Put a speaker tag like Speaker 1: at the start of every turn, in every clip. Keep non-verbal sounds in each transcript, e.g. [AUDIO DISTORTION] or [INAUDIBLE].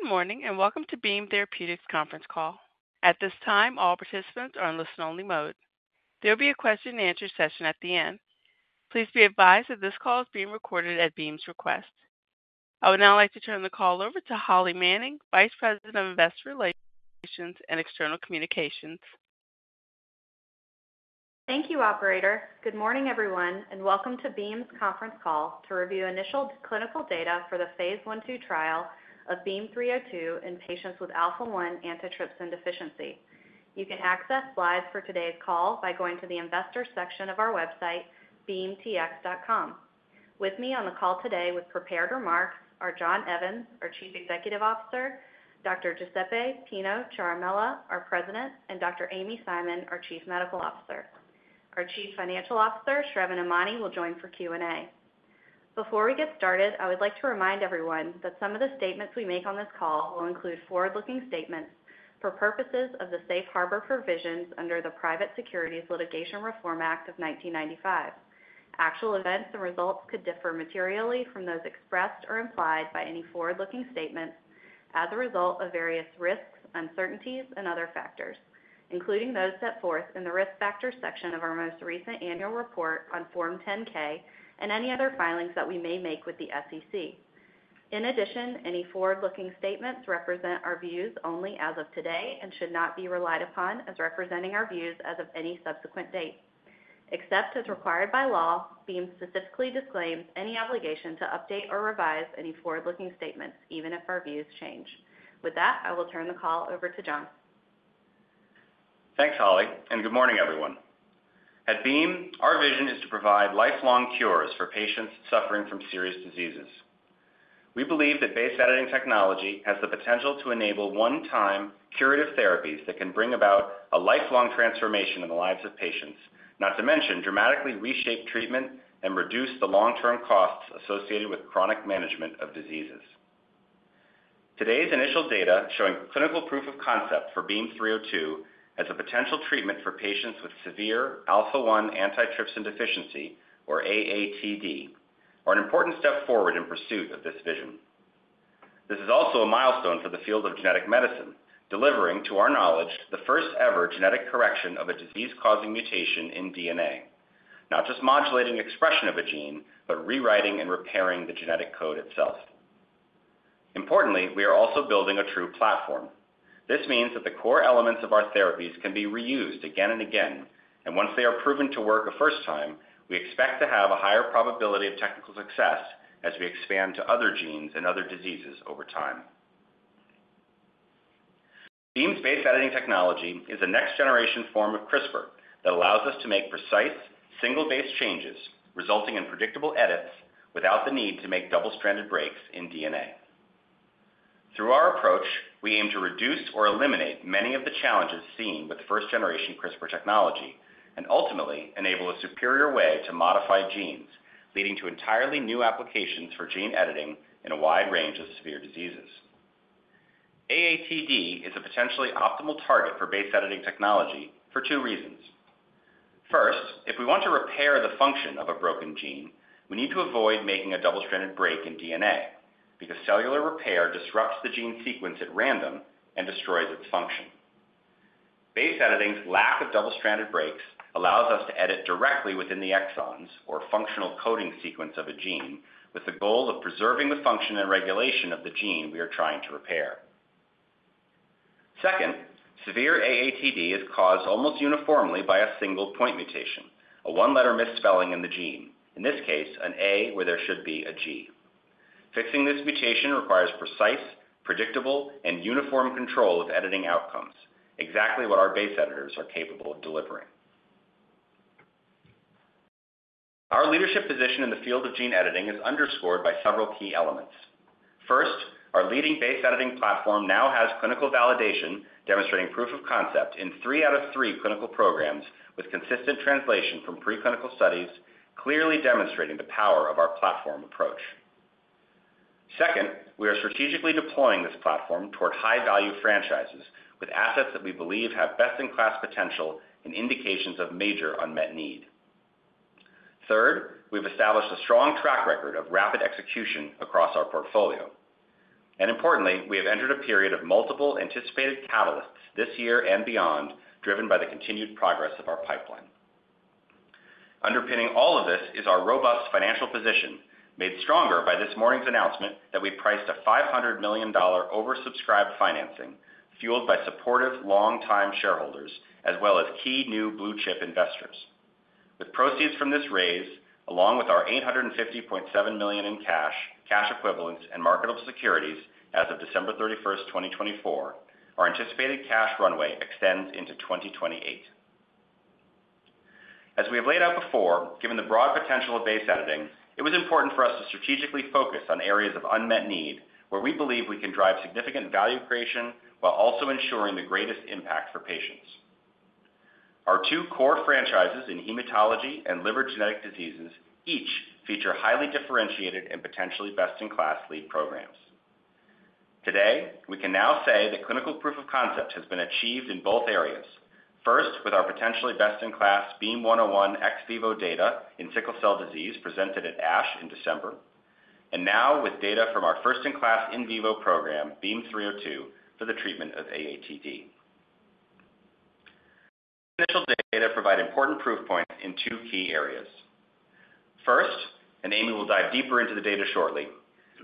Speaker 1: Good morning and welcome to Beam Therapeutics' conference call. At this time, all participants are in listen-only mode. There will be a question andanswer session at the end. Please be advised that this call is being recorded at Beam's request. I would now like to turn the call over to Holly Manning, Vice President of Investor Relations and External Communications.
Speaker 2: Thank you, Operator. Good morning, everyone, and welcome to Beam's conference call to review initial clinical data for the phase I/II trial of BEAM-302 in patients with alpha-1 antitrypsin deficiency. You can access Slides for today's call by going to the Investor section of our website, beamtx.com. With me on the call today with prepared remarks are John Evans, our Chief Executive Officer, Dr. Giuseppe Ciaramella, our President, and Dr. Amy Simon, our Chief Medical Officer. Our Chief Financial Officer, Sravan K. Emany, will join for Q&A. Before we get started, I would like to remind everyone that some of the statements we make on this call will include forward-looking statements for purposes of the Safe Harbor Provisions under the Private Securities Litigation Reform Act of 1995. Actual events and results could differ materially from those expressed or implied by any forward-looking statements as a result of various risks, uncertainties, and other factors, including those set forth in the Risk Factors section of our most recent annual report on Form 10-K and any other filings that we may make with the SEC. In addition, any forward-looking statements represent our views only as of today and should not be relied upon as representing our views as of any subsequent date. Except as required by law, Beam specifically disclaims any obligation to update or revise any forward-looking statements, even if our views change. With that, I will turn the call over to John.
Speaker 3: Thanks, Holly, and good morning, everyone. At Beam, our vision is to provide lifelong cures for patients suffering from serious diseases. We believe that base-editing technology has the potential to enable one-time curative therapies that can bring about a lifelong transformation in the lives of patients, not to mention dramatically reshape treatment and reduce the long-term costs associated with chronic management of diseases. Today's initial data showing clinical proof of concept for BEAM-302 as a potential treatment for patients with severe alpha-1 antitrypsin deficiency, or AATD, are an important step forward in pursuit of this vision. This is also a milestone for the field of genetic medicine, delivering, to our knowledge, the first-ever genetic correction of a disease-causing mutation in DNA, not just modulating expression of a gene, but rewriting and repairing the genetic code itself. Importantly, we are also building a true platform. This means that the core elements of our therapies can be reused again and again, and once they are proven to work a first time, we expect to have a higher probability of technical success as we expand to other genes and other diseases over time. Beam's base-editing technology is a next-generation form of CRISPR that allows us to make precise, single-base changes, resulting in predictable edits without the need to make double-stranded breaks in DNA. Through our approach, we aim to reduce or eliminate many of the challenges seen with first-generation CRISPR technology and ultimately enable a superior way to modify genes, leading to entirely new applications for gene editing in a wide range of severe diseases. AATD is a potentially optimal target for base-editing technology for two reasons. First, if we want to repair the function of a broken gene, we need to avoid making a double-stranded break in DNA because cellular repair disrupts the gene sequence at random and destroys its function. Base-editing's lack of double-stranded breaks allows us to edit directly within the exons, or functional coding sequence, of a gene with the goal of preserving the function and regulation of the gene we are trying to repair. Second, severe AATD is caused almost uniformly by a single point mutation, a one-letter misspelling in the gene, in this case, an A where there should be a G. Fixing this mutation requires precise, predictable, and uniform control of editing outcomes, exactly what our base editors are capable of delivering. Our leadership position in the field of gene editing is underscored by several key elements. First, our leading base-editing platform now has clinical validation demonstrating proof of concept in three out of three clinical programs with consistent translation from preclinical studies, clearly demonstrating the power of our platform approach. Second, we are strategically deploying this platform toward high-value franchises with assets that we believe have best-in-class potential and indications of major unmet need. Third, we have established a strong track record of rapid execution across our portfolio. Importantly, we have entered a period of multiple anticipated catalysts this year and beyond, driven by the continued progress of our pipeline. Underpinning all of this is our robust financial position, made stronger by this morning's announcement that we have priced a $500 million oversubscribed financing fueled by supportive long-time shareholders as well as key new blue-chip investors. With proceeds from this raise, along with our $850.7 million in cash, cash equivalents, and marketable securities as of December 31, 2024, our anticipated cash runway extends into 2028. As we have laid out before, given the broad potential of base-editing, it was important for us to strategically focus on areas of unmet need where we believe we can drive significant value creation while also ensuring the greatest impact for patients. Our two core franchises in hematology and liver genetic diseases each feature highly differentiated and potentially best-in-class lead programs. Today, we can now say that clinical proof of concept has been achieved in both areas, first with our potentially best-in-class BEAM-101 ex vivo data in sickle cell disease presented at ASH in December, and now with data from our first-in-class in vivo program, BEAM-302, for the treatment of AATD. Initial data provide important proof points in two key areas. First, and Amy will dive deeper into the data shortly,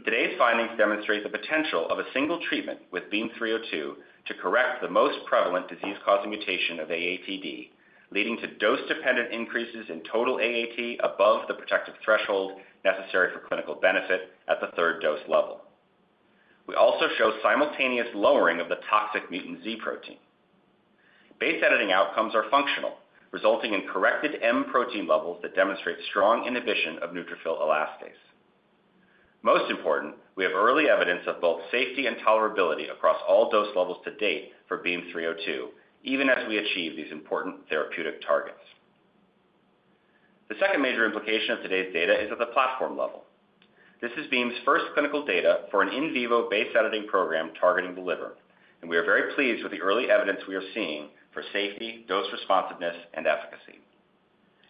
Speaker 3: today's findings demonstrate the potential of a single treatment with BEAM-302 to correct the most prevalent disease-causing mutation of AATD, leading to dose-dependent increases in total AAT above the protective threshold necessary for clinical benefit at the third dose level. We also show simultaneous lowering of the toxic mutant Z protein. Base-editing outcomes are functional, resulting in corrected M protein levels that demonstrate strong inhibition of neutrophil elastase. Most important, we have early evidence of both safety and tolerability across all dose levels to date for BEAM-302, even as we achieve these important therapeutic targets. The second major implication of today's data is at the platform level. This is Beam's first clinical data for an in vivo base-editing program targeting the liver, and we are very pleased with the early evidence we are seeing for safety, dose responsiveness, and efficacy.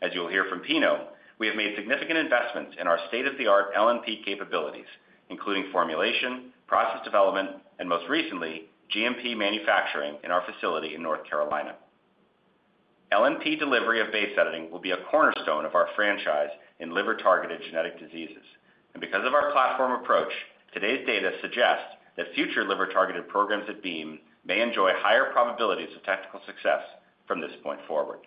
Speaker 3: As you'll hear from Pino, we have made significant investments in our state-of-the-art LNP capabilities, including formulation, process development, and most recently, GMP manufacturing in our facility in North Carolina. LNP delivery of base-editing will be a cornerstone of our franchise in liver-targeted genetic diseases, and because of our platform approach, today's data suggests that future liver-targeted programs at Beam may enjoy higher probabilities of technical success from this point forward.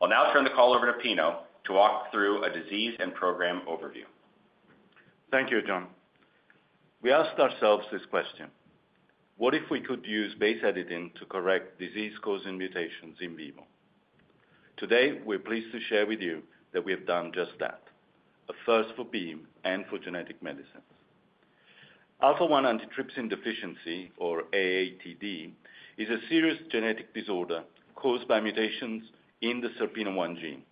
Speaker 3: I'll now turn the call over to Pino to walk through a disease and program overview.
Speaker 4: Thank you, John. We asked ourselves this question: What if we could use base-editing to correct disease-causing mutations in vivo? Today, we're pleased to share with you that we have done just that, a first for Beam and for genetic medicines. Alpha-1 antitrypsin deficiency, or AATD, is a serious genetic disorder caused by mutations in the SERPINA1 gene,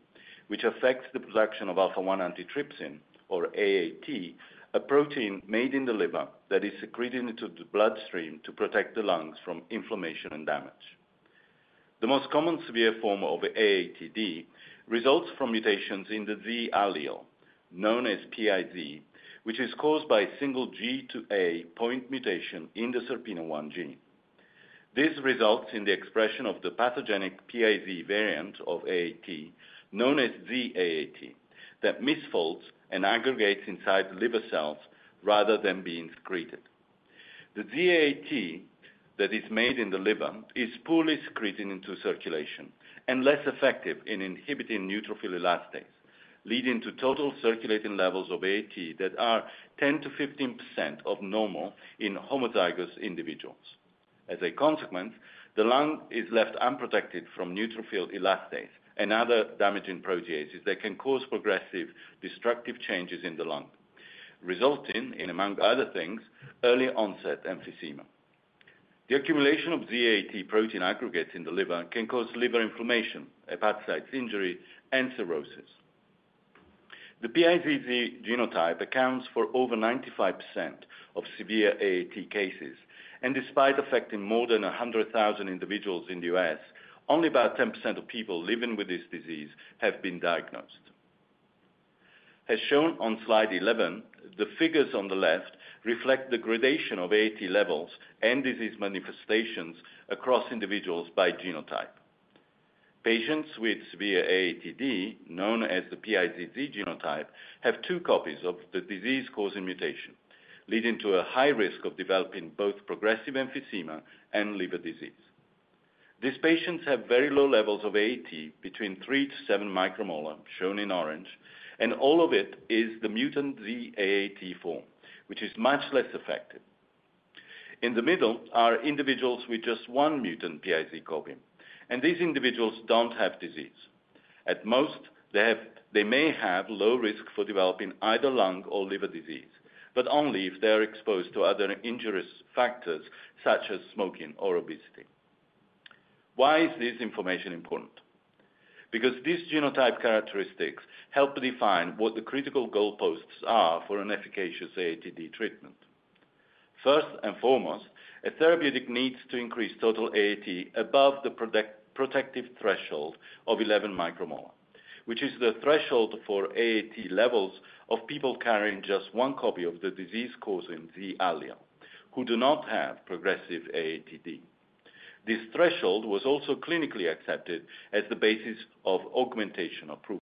Speaker 4: which affects the production of alpha-1 antitrypsin, or AAT, a protein made in the liver that is secreted into the bloodstream to protect the lungs from inflammation and damage. The most common severe form of AATD results from mutations in the Z allele, known as PIZ, which is caused by a single G to A point mutation in the SERPINA1 gene. This results in the expression of the pathogenic PIZ variant of AAT, known as Z-AAT, that misfolds and aggregates inside liver cells rather than being secreted. The Z-AAT that is made in the liver is poorly secreted into circulation and less effective in inhibiting neutrophil elastase, leading to total circulating levels of AAT that are 10%-15% of normal in homozygous individuals. As a consequence, the lung is left unprotected from neutrophil elastase and other damaging proteases that can cause progressive destructive changes in the lung, resulting in, among other things, early-onset emphysema. The accumulation of Z-AAT protein aggregates in the liver can cause liver inflammation, hepatocyte injury, and cirrhosis. The PIZ genotype accounts for over 95% of severe AAT cases, and despite affecting more than 100,000 individuals in the U.S., only about 10% of people living with this disease have been diagnosed. As shown on Slide 11, the figures on the left reflect the gradation of AAT levels and disease manifestations across individuals by genotype. Patients with severe AATD, known as the PIZ genotype, have two copies of the disease-causing mutation, leading to a high risk of developing both progressive emphysema and liver disease. These patients have very low levels of AAT, between 3-7 micromolar, shown in orange, and all of it is the mutant Z-AAT form, which is much less effective. In the middle are individuals with just one mutant PIZ copy, and these individuals do not have disease. At most, they may have low risk for developing either lung or liver disease, but only if they are exposed to other injurious factors such as smoking or obesity. Why is this information important? Because these genotype characteristics help define what the critical goalposts are for an efficacious AATD treatment. First and foremost, a therapeutic needs to increase total AAT above the protective threshold of 11 micromolar, which is the threshold for AAT levels of people carrying just one copy of the disease-causing Z allele, who do not have progressive AATD. This threshold was also clinically accepted as the basis of augmentation of proof.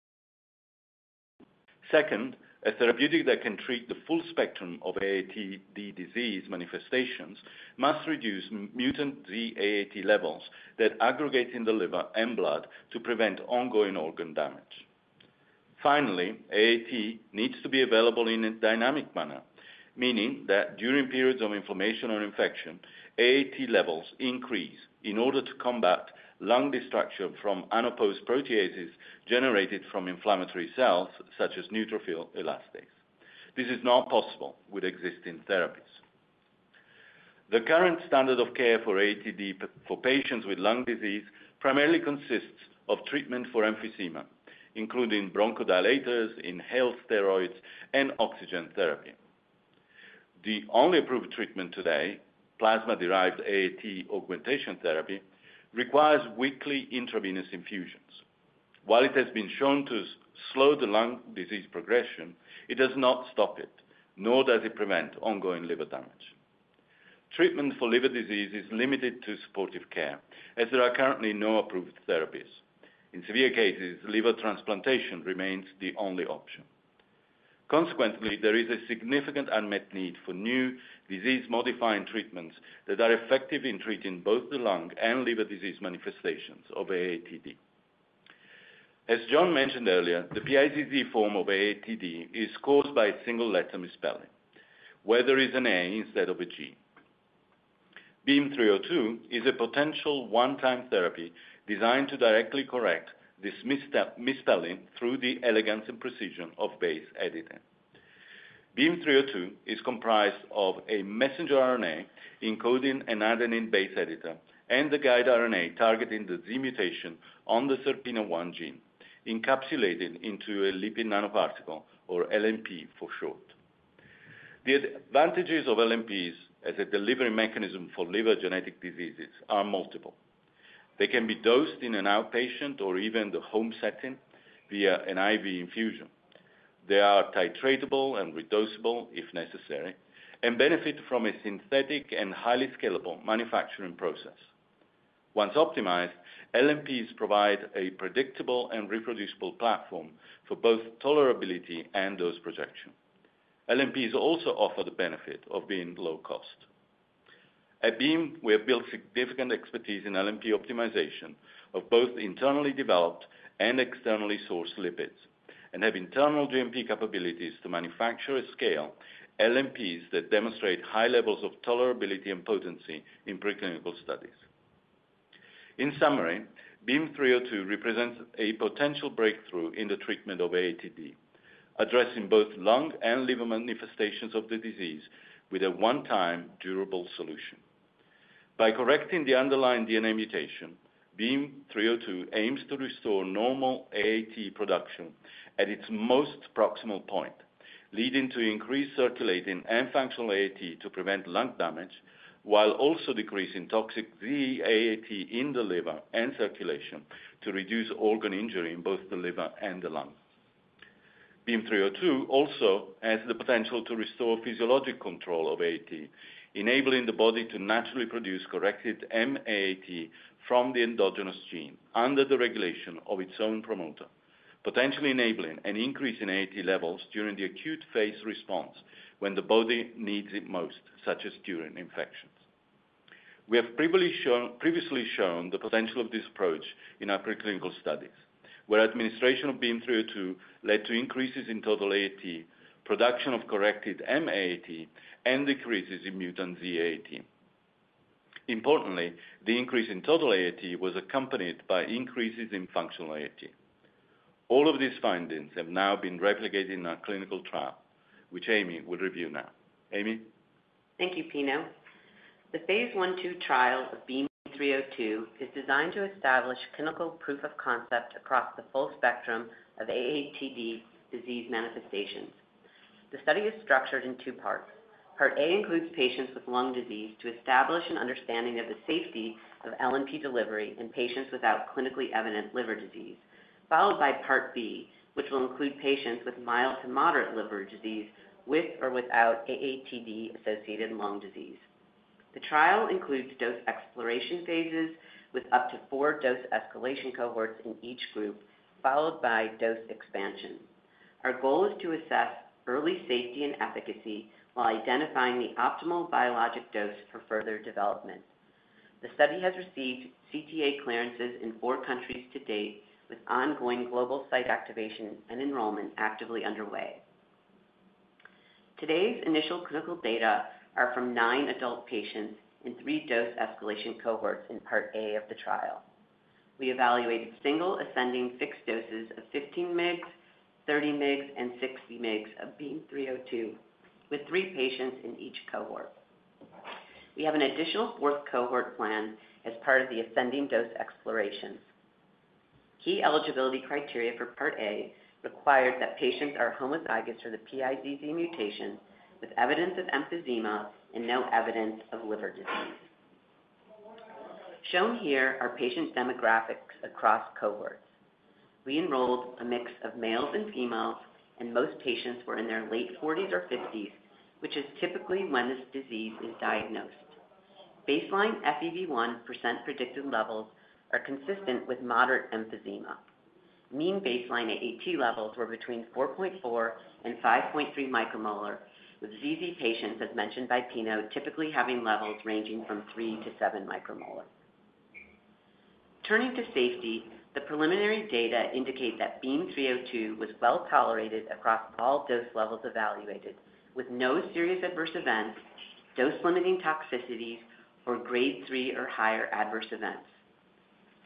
Speaker 4: Second, a therapeutic that can treat the full spectrum of AATD disease manifestations must reduce mutant Z-AAT levels that aggregate in the liver and blood to prevent ongoing organ damage. Finally, AAT needs to be available in a dynamic manner, meaning that during periods of inflammation or infection, AAT levels increase in order to combat lung destruction from adipose proteases generated from inflammatory cells such as neutrophil elastase. This is not possible with existing therapies. The current standard of care for AATD for patients with lung disease primarily consists of treatment for emphysema, including bronchodilators, inhaled steroids, and oxygen therapy. The only approved treatment today, plasma-derived AAT augmentation therapy, requires weekly intravenous infusions. While it has been shown to slow the lung disease progression, it does not stop it, nor does it prevent ongoing liver damage. Treatment for liver disease is limited to supportive care, as there are currently no approved therapies. In severe cases, liver transplantation remains the only option. Consequently, there is a significant unmet need for new disease-modifying treatments that are effective in treating both the lung and liver disease manifestations of AATD. As John mentioned earlier, the PIZ form of AATD is caused by a single-letter misspelling, where there is an A instead of a G. BEAM-302 is a potential one-time therapy designed to directly correct this misspelling through the elegance and precision of base editing. BEAM-302 is comprised of a messenger RNA encoding an adenine base editor and the guide RNA targeting the Z mutation on the SERPINA1 gene, encapsulated into a lipid nanoparticle, or LNP for short. The advantages of LNPs as a delivery mechanism for liver genetic diseases are multiple. They can be dosed in an outpatient or even the home setting via an IV infusion. They are titratable and reducible if necessary and benefit from a synthetic and highly scalable manufacturing process. Once optimized, LNPs provide a predictable and reproducible platform for both tolerability and dose projection. LNPs also offer the benefit of being low cost. At Beam, we have built significant expertise in LNP optimization of both internally developed and externally sourced lipids and have internal GMP capabilities to manufacture at scale LNPs that demonstrate high levels of tolerability and potency in preclinical studies. In summary, BEAM-302 represents a potential breakthrough in the treatment of AATD, addressing both lung and liver manifestations of the disease with a one-time durable solution. By correcting the underlying DNA mutation, BEAM-302 aims to restore normal AAT production at its most proximal point, leading to increased circulating and functional AAT to prevent lung damage while also decreasing toxic Z-AAT in the liver and circulation to reduce organ injury in both the liver and the lung. BEAM-302 also has the potential to restore physiologic control of AAT, enabling the body to naturally produce corrected M-AAT from the endogenous gene under the regulation of its own promoter, potentially enabling an increase in AAT levels during the acute phase response when the body needs it most, such as during infections. We have previously shown the potential of this approach in our preclinical studies, where administration of BEAM-302 led to increases in total AAT, production of corrected M-AAT, and decreases in mutant Z-AAT. Importantly, the increase in total AAT was accompanied by increases in functional AAT. All of these findings have now been replicated in our clinical trial, which Amy will review now. Amy?
Speaker 5: Thank you, Pino. The phase I/II trial of BEAM-302 is designed to establish clinical proof of concept across the full spectrum of AATD disease manifestations. The study is structured in two parts. Part A includes patients with lung disease to establish an understanding of the safety of LNP delivery in patients without clinically evident liver disease, followed by Part B, which will include patients with mild to moderate liver disease with or without AATD-associated lung disease. The trial includes dose exploration phases with up to four dose escalation cohorts in each group, followed by dose expansion. Our goal is to assess early safety and efficacy while identifying the optimal biologic dose for further development. The study has received CTA clearances in four countries to date, with ongoing global site activation and enrollment actively underway. Today's initial clinical data are from nine adult patients in three dose escalation cohorts in Part A of the trial. We evaluated single ascending fixed doses of 15 mg, 30 mg, and 60 mg of BEAM-302, with three patients in each cohort. We have an additional fourth cohort planned as part of the ascending dose explorations. Key eligibility criteria for Part A required that patients are homozygous for the PIZ mutation with evidence of emphysema and no evidence of liver disease. Shown here are patient demographics across cohorts. We enrolled a mix of males and females, and most patients were in their late 40s or 50s, which is typically when this disease is diagnosed. Baseline FEV1 % predicted levels are consistent with moderate emphysema. Mean baseline AAT levels were between 4.4 and 5.3 micromolar, with ZZ patients, as mentioned by Pino, typically having levels ranging from 3-7 micromolar. Turning to safety, the preliminary data indicate that BEAM-302 was well tolerated across all dose levels evaluated, with no serious adverse events, dose-limiting toxicities, or Grade 3 or higher adverse events.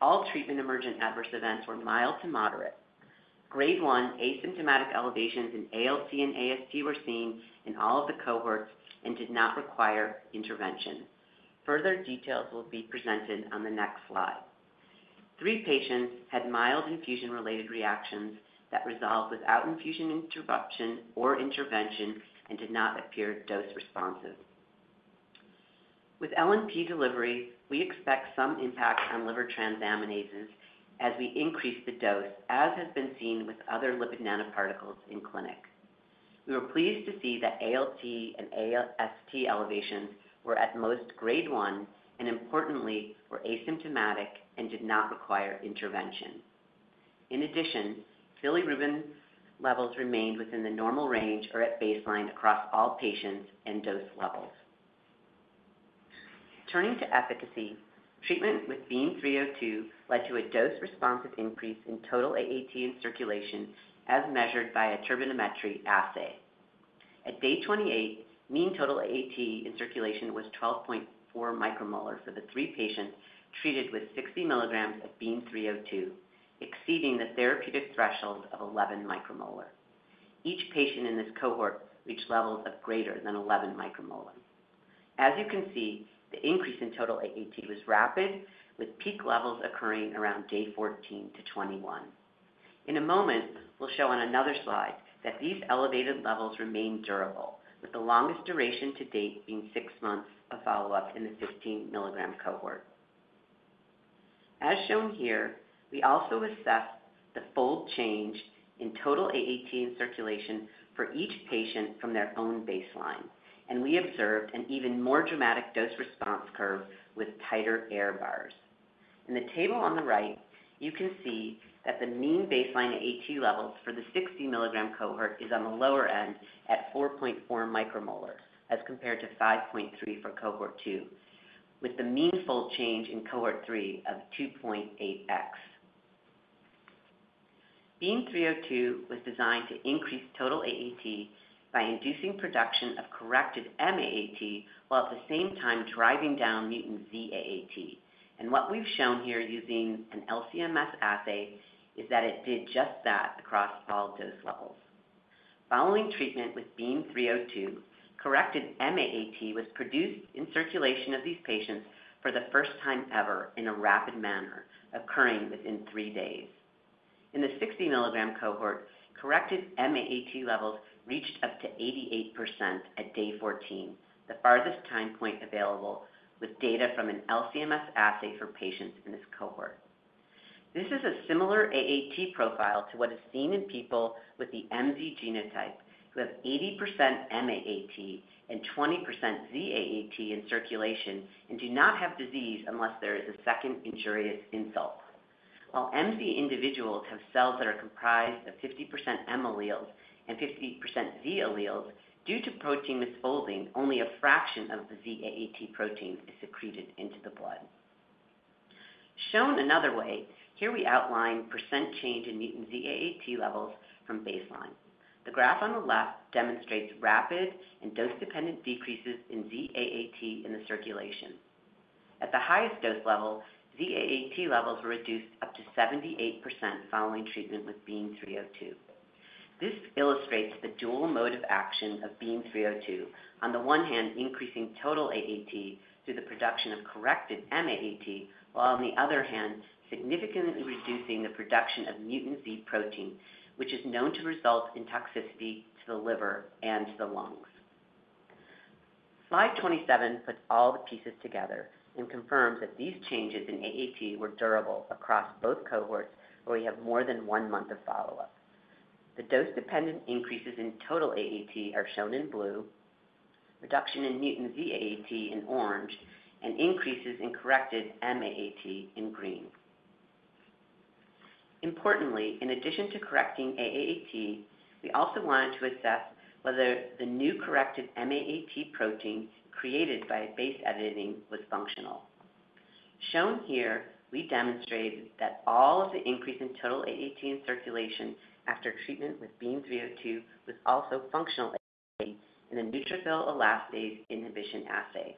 Speaker 5: All treatment-emergent adverse events were mild to moderate. Grade 1 asymptomatic elevations in ALC and AST were seen in all of the cohorts and did not require intervention. Further details will be presented on the next Slide. Three patients had mild infusion-related reactions that resolved without infusion interruption or intervention and did not appear dose responsive. With LNP delivery, we expect some impact on liver transaminases as we increase the dose, as has been seen with other lipid nanoparticles in clinic. We were pleased to see that ALT and AST elevations were at most Grade 1 and, importantly, were asymptomatic and did not require intervention. In addition, bilirubin levels remained within the normal range or at baseline across all patients and dose levels. Turning to efficacy, treatment with BEAM-302 led to a dose-responsive increase in total AAT in circulation, as measured by a turbidimetry assay. At day 28, mean total AAT in circulation was 12.4 micromolar for the three patients treated with 60 mg of BEAM-302, exceeding the therapeutic threshold of 11 micromolar. Each patient in this cohort reached levels of greater than 11 micromolar. As you can see, the increase in total AAT was rapid, with peak levels occurring around day 14-21. In a moment, we'll show on another slide that these elevated levels remain durable, with the longest duration to date being six months of follow-up in the 15 mg cohort. As shown here, we also assessed the fold change in total AAT in circulation for each patient from their own baseline, and we observed an even more dramatic dose response curve with tighter error bars. In the table on the right, you can see that the mean baseline AAT levels for the 60 mg cohort are on the lower end at 4.4 micromolar as compared to 5.3 for cohort 2, with the mean fold change in cohort 3 of 2.8x. BEAM-302 was designed to increase total AAT by inducing production of corrected M-AAT while at the same time driving down mutant Z-AAT. What we have shown here using an LC-MS assay is that it did just that across all dose levels. Following treatment with BEAM-302, corrected M-AAT was produced in circulation of these patients for the first time ever in a rapid manner, occurring within three days. In the 60 milligram cohort, corrected M-AAT levels reached up to 88% at day 14, the farthest time point available, with data from an LC-MS assay for patients in this cohort. This is a similar AAT profile to what is seen in people with the MZ genotype who have 80% M-AAT and 20% Z-AAT in circulation and do not have disease unless there is a second injurious insult. While MZ individuals have cells that are comprised of 50% M alleles and 50% Z alleles, due to protein misfolding, only a fraction of the Z-AAT protein is secreted into the blood. Shown another way, here we outline percent change in mutant Z-AAT levels from baseline. The graph on the left demonstrates rapid and dose-dependent decreases in Z-AAT in the circulation. At the highest dose level, Z-AAT levels were reduced up to 78% following treatment with BEAM-302. This illustrates the dual mode of action of BEAM-302, on the one hand, increasing total AAT through the production of corrected M-AAT, while on the other hand, significantly reducing the production of mutant Z protein, which is known to result in toxicity to the liver and to the lungs. Slide 27 puts all the pieces together and confirms that these changes in AAT were durable across both cohorts, where we have more than one month of follow-up. The dose-dependent increases in total AAT are shown in blue, reduction in mutant Z-AAT in orange, and increases in corrected M-AAT in green. Importantly, in addition to correcting AAT, we also wanted to assess whether the new corrected M-AAT protein created by base editing was functional. Shown here, we demonstrated that all of the increase in total AAT in circulation after treatment with BEAM-302 was also functional AAT in the neutrophil elastase inhibition assay.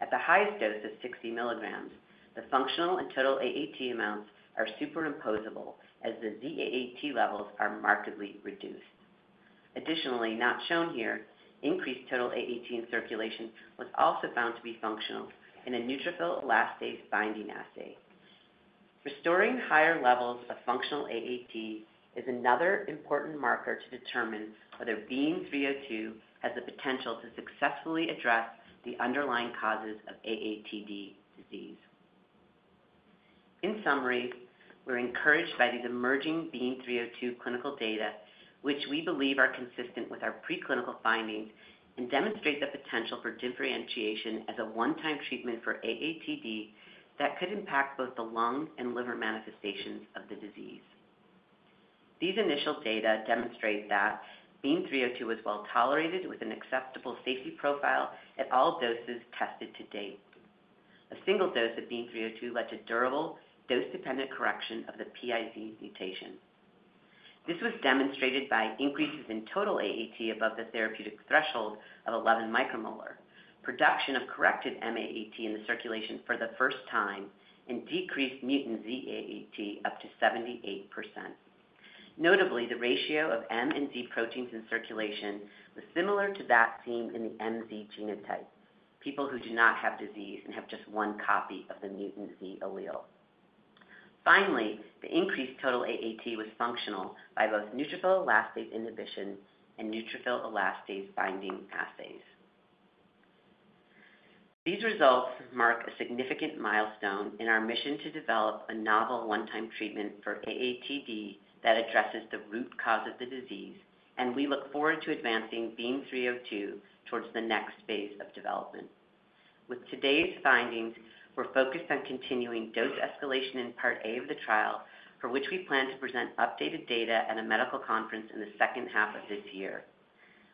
Speaker 5: At the highest dose of 60 mg, the functional and total AAT amounts are superimposable, as the Z-AAT levels are markedly reduced. Additionally, not shown here, increased total AAT in circulation was also found to be functional in a neutrophil elastase binding assay. Restoring higher levels of functional AAT is another important marker to determine whether BEAM-302 has the potential to successfully address the underlying causes of AATD disease. In summary, we're encouraged by these emerging BEAM-302 clinical data, which we believe are consistent with our preclinical findings and demonstrate the potential for differentiation as a one-time treatment for AATD that could impact both the lung and liver manifestations of the disease. These initial data demonstrate that BEAM-302 was well tolerated with an acceptable safety profile at all doses tested to date. A single dose of BEAM-302 led to durable dose-dependent correction of the PIZ mutation. This was demonstrated by increases in total AAT above the therapeutic threshold of 11 micromolar, production of corrected M-AAT in the circulation for the first time, and decreased mutant Z-AAT up to 78%. Notably, the ratio of M and Z proteins in circulation was similar to that seen in the MZ genotype, people who do not have disease and have just one copy of the mutant Z allele. Finally, the increased total AAT was functional by both neutrophil elastase inhibition and neutrophil elastase binding assays. These results mark a significant milestone in our mission to develop a novel one-time treatment for AATD that addresses the root cause of the disease, and we look forward to advancing BEAM-302 towards the next phase of development. With today's findings, we're focused on continuing dose escalation in Part A of the trial, for which we plan to present updated data at a medical conference in the second half of this year.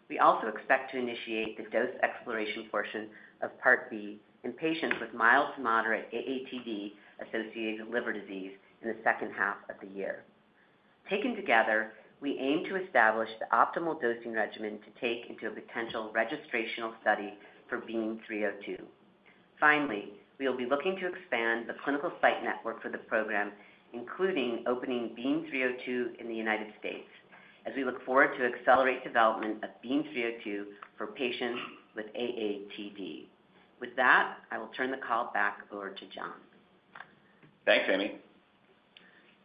Speaker 5: We also expect to initiate the dose exploration portion of Part B in patients with mild to moderate AATD-associated liver disease in the second half of the year. Taken together, we aim to establish the optimal dosing regimen to take into a potential registrational study for BEAM-302. Finally, we will be looking to expand the clinical site network for the program, including opening BEAM-302 in the United States, as we look forward to accelerate development of BEAM-302 for patients with AATD. With that, I will turn the call back over to John.
Speaker 3: Thanks, Amy.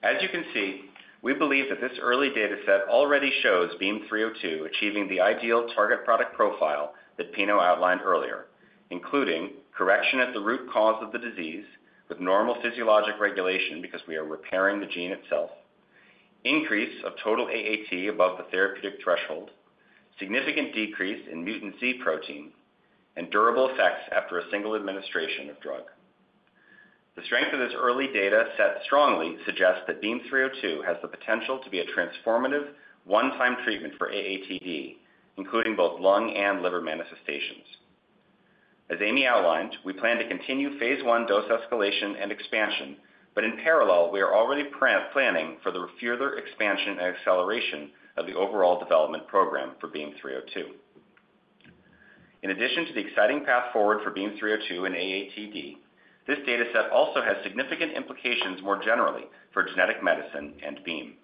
Speaker 3: As you can see, we believe that this early data set already shows BEAM-302 achieving the ideal target product profile that Pino outlined earlier, including correction at the root cause of the disease with normal physiologic regulation because we are repairing the gene itself, increase of total AAT above the therapeutic threshold, significant decrease in mutant Z protein, and durable effects after a single administration of drug. The strength of this early data set strongly suggests that BEAM-302 has the potential to be a transformative one-time treatment for AATD, including both lung and liver manifestations. As Amy outlined, we plan to continue phase one dose escalation and expansion, but in parallel, we are already planning for the further expansion and acceleration of the overall development program for BEAM-302. In addition to the exciting path forward for BEAM-302 and AATD, this data set also has significant implications more generally for genetic medicine and Beam.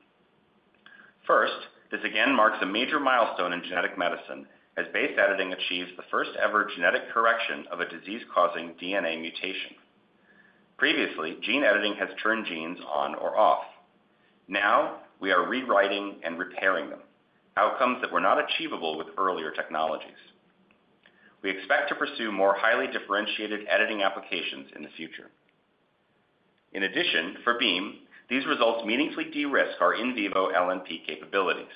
Speaker 3: First, this again marks a major milestone in genetic medicine, as base editing achieves the first-ever genetic correction of a disease-causing DNA mutation. Previously, gene editing has turned genes on or off. Now, we are rewriting and repairing them, outcomes that were not achievable with earlier technologies. We expect to pursue more highly differentiated editing applications in the future. In addition, for Beam, these results meaningfully de-risk our in vivo LNP capabilities,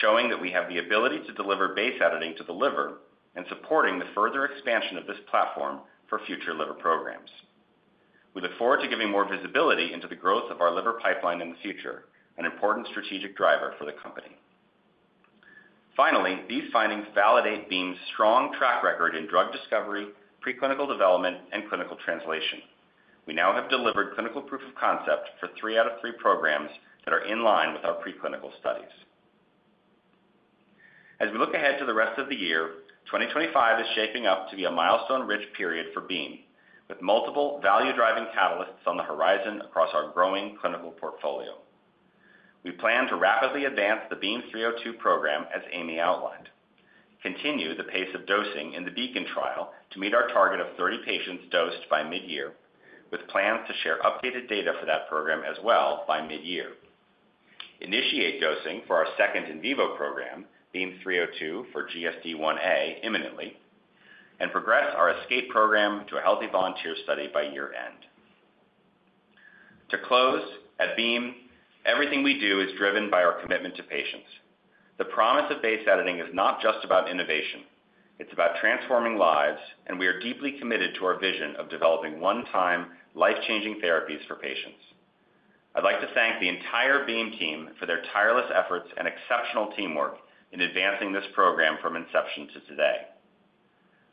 Speaker 3: showing that we have the ability to deliver base editing to the liver and supporting the further expansion of this platform for future liver programs. We look forward to giving more visibility into the growth of our liver pipeline in the future, an important strategic driver for the company. Finally, these findings validate Beam's strong track record in drug discovery, preclinical development, and clinical translation. We now have delivered clinical proof of concept for three out of three programs that are in line with our preclinical studies. As we look ahead to the rest of the year, 2025 is shaping up to be a milestone-rich period for Beam, with multiple value-driving catalysts on the horizon across our growing clinical portfolio. We plan to rapidly advance the BEAM-302 program, as Amy outlined, continue the pace of dosing in the BEACON trial to meet our target of 30 patients dosed by mid-year, with plans to share updated data for that program as well by mid-year, initiate dosing for our second in vivo program, BEAM-302 for GSD1A imminently, and progress our ESCAPE program to a healthy volunteer study by year-end. To close, at Beam, everything we do is driven by our commitment to patients. The promise of base editing is not just about innovation. It's about transforming lives, and we are deeply committed to our vision of developing one-time life-changing therapies for patients. I'd like to thank the entire Beam team for their tireless efforts and exceptional teamwork in advancing this program from inception to today.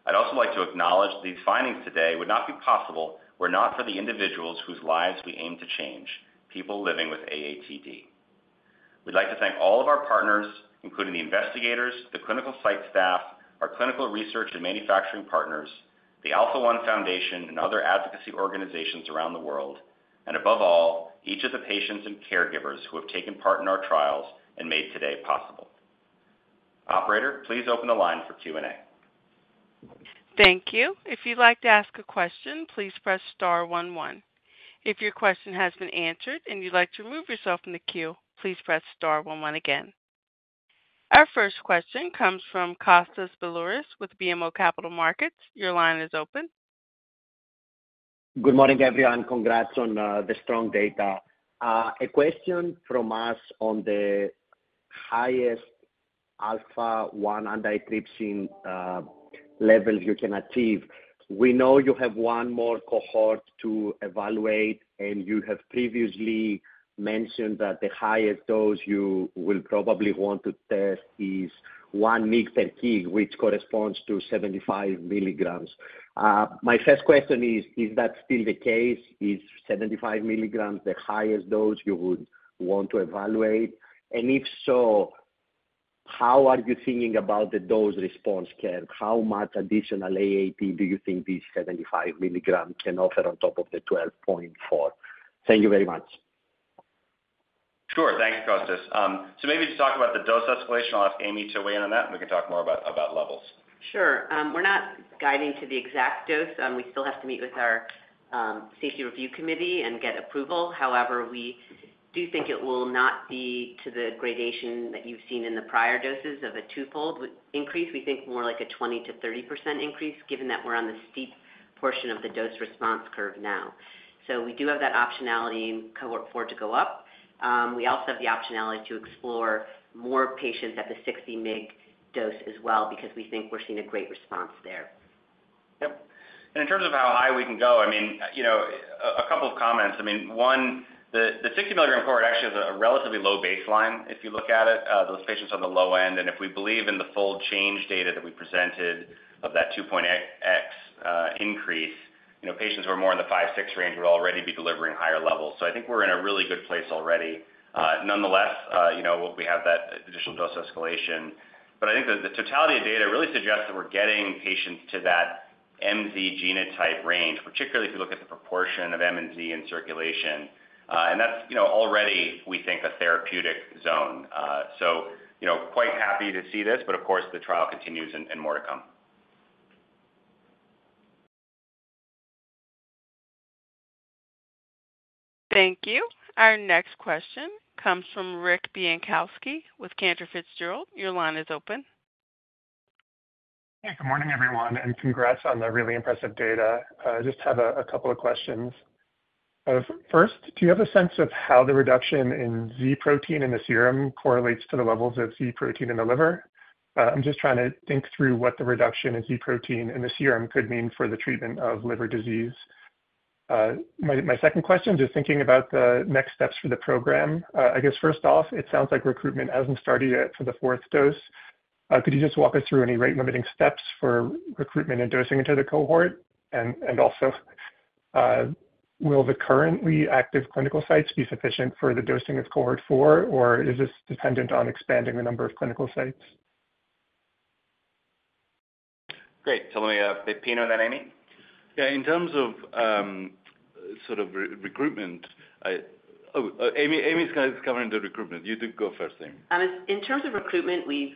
Speaker 3: I'd also like to acknowledge that these findings today would not be possible were it not for the individuals whose lives we aim to change, people living with AATD. We'd like to thank all of our partners, including the investigators, the clinical site staff, our clinical research and manufacturing partners, the Alpha-1 Foundation and other advocacy organizations around the world, and above all, each of the patients and caregivers who have taken part in our trials and made today possible. Operator, please open the line for Q&A.
Speaker 1: Thank you. If you'd like to ask a question, please press star one one. If your question has been answered and you'd like to remove yourself from the queue, please press star one one again. Our first question comes from Kostas Biliouris with BMO Capital Markets. Your line is open.
Speaker 6: Good morning, everyone. Congrats on the strong data. A question from us on the highest alpha-1 antitrypsin levels you can achieve. We know you have one more cohort to evaluate, and you have previously mentioned that the highest dose you will probably want to test is one mg/kg, which corresponds to 75 mg. My first question is, is that still the case? Is 75 mg the highest dose you would want to evaluate? If so, how are you thinking about the dose response, Kev? How much additional AAT do you think these 75 mg can offer on top of the 12.4? Thank you very much.
Speaker 3: Sure. Thanks, Costas. Maybe to talk about the dose escalation, I'll ask Amy to weigh in on that, and we can talk more about levels.
Speaker 5: Sure. We're not guiding to the exact dose. We still have to meet with our safety review committee and get approval. However, we do think it will not be to the gradation that you've seen in the prior doses of a twofold increase. We think more like a 20%-30% increase, given that we're on the steep portion of the dose response curve now. We do have that optionality in cohort four to go up. We also have the optionality to explore more patients at the 60 mg dose as well, because we think we're seeing a great response there.
Speaker 3: Yep. In terms of how high we can go, I mean, a couple of comments. One, the 60 mg cohort actually has a relatively low baseline if you look at it. Those patients are on the low end. If we believe in the full change data that we presented of that 2.8x increase, patients who are more in the 5, 6 range would already be delivering higher levels. I think we're in a really good place already. Nonetheless, we have that additional dose escalation. I think the totality of data really suggests that we're getting patients to that MZ genotype range, particularly if you look at the proportion of M and Z in circulation. That's already, we think, a therapeutic zone. Quite happy to see this, of course, the trial continues and more to come.
Speaker 1: Thank you. Our next question comes from Rick Bienkowski with Cantor Fitzgerald. Your line is open.
Speaker 7: Hey, good morning, everyone. Congrats on the really impressive data. I just have a couple of questions. First, do you have a sense of how the reduction in Z protein in the serum correlates to the levels of Z protein in the liver? I'm just trying to think through what the reduction in Z protein in the serum could mean for the treatment of liver disease. My second question is just thinking about the next steps for the program. I guess, first off, it sounds like recruitment hasn't started yet for the fourth dose. Could you just walk us through any rate-limiting steps for recruitment and dosing into the cohort? Also, will the currently active clinical sites be sufficient for the dosing of cohort four, or is this dependent on expanding the number of clinical sites?
Speaker 3: Great. Let me have Pino then, Amy.
Speaker 4: Yeah. In terms of sort of recruitment, Amy's kind of covering the recruitment. You do go first, Amy.
Speaker 5: In terms of recruitment, we've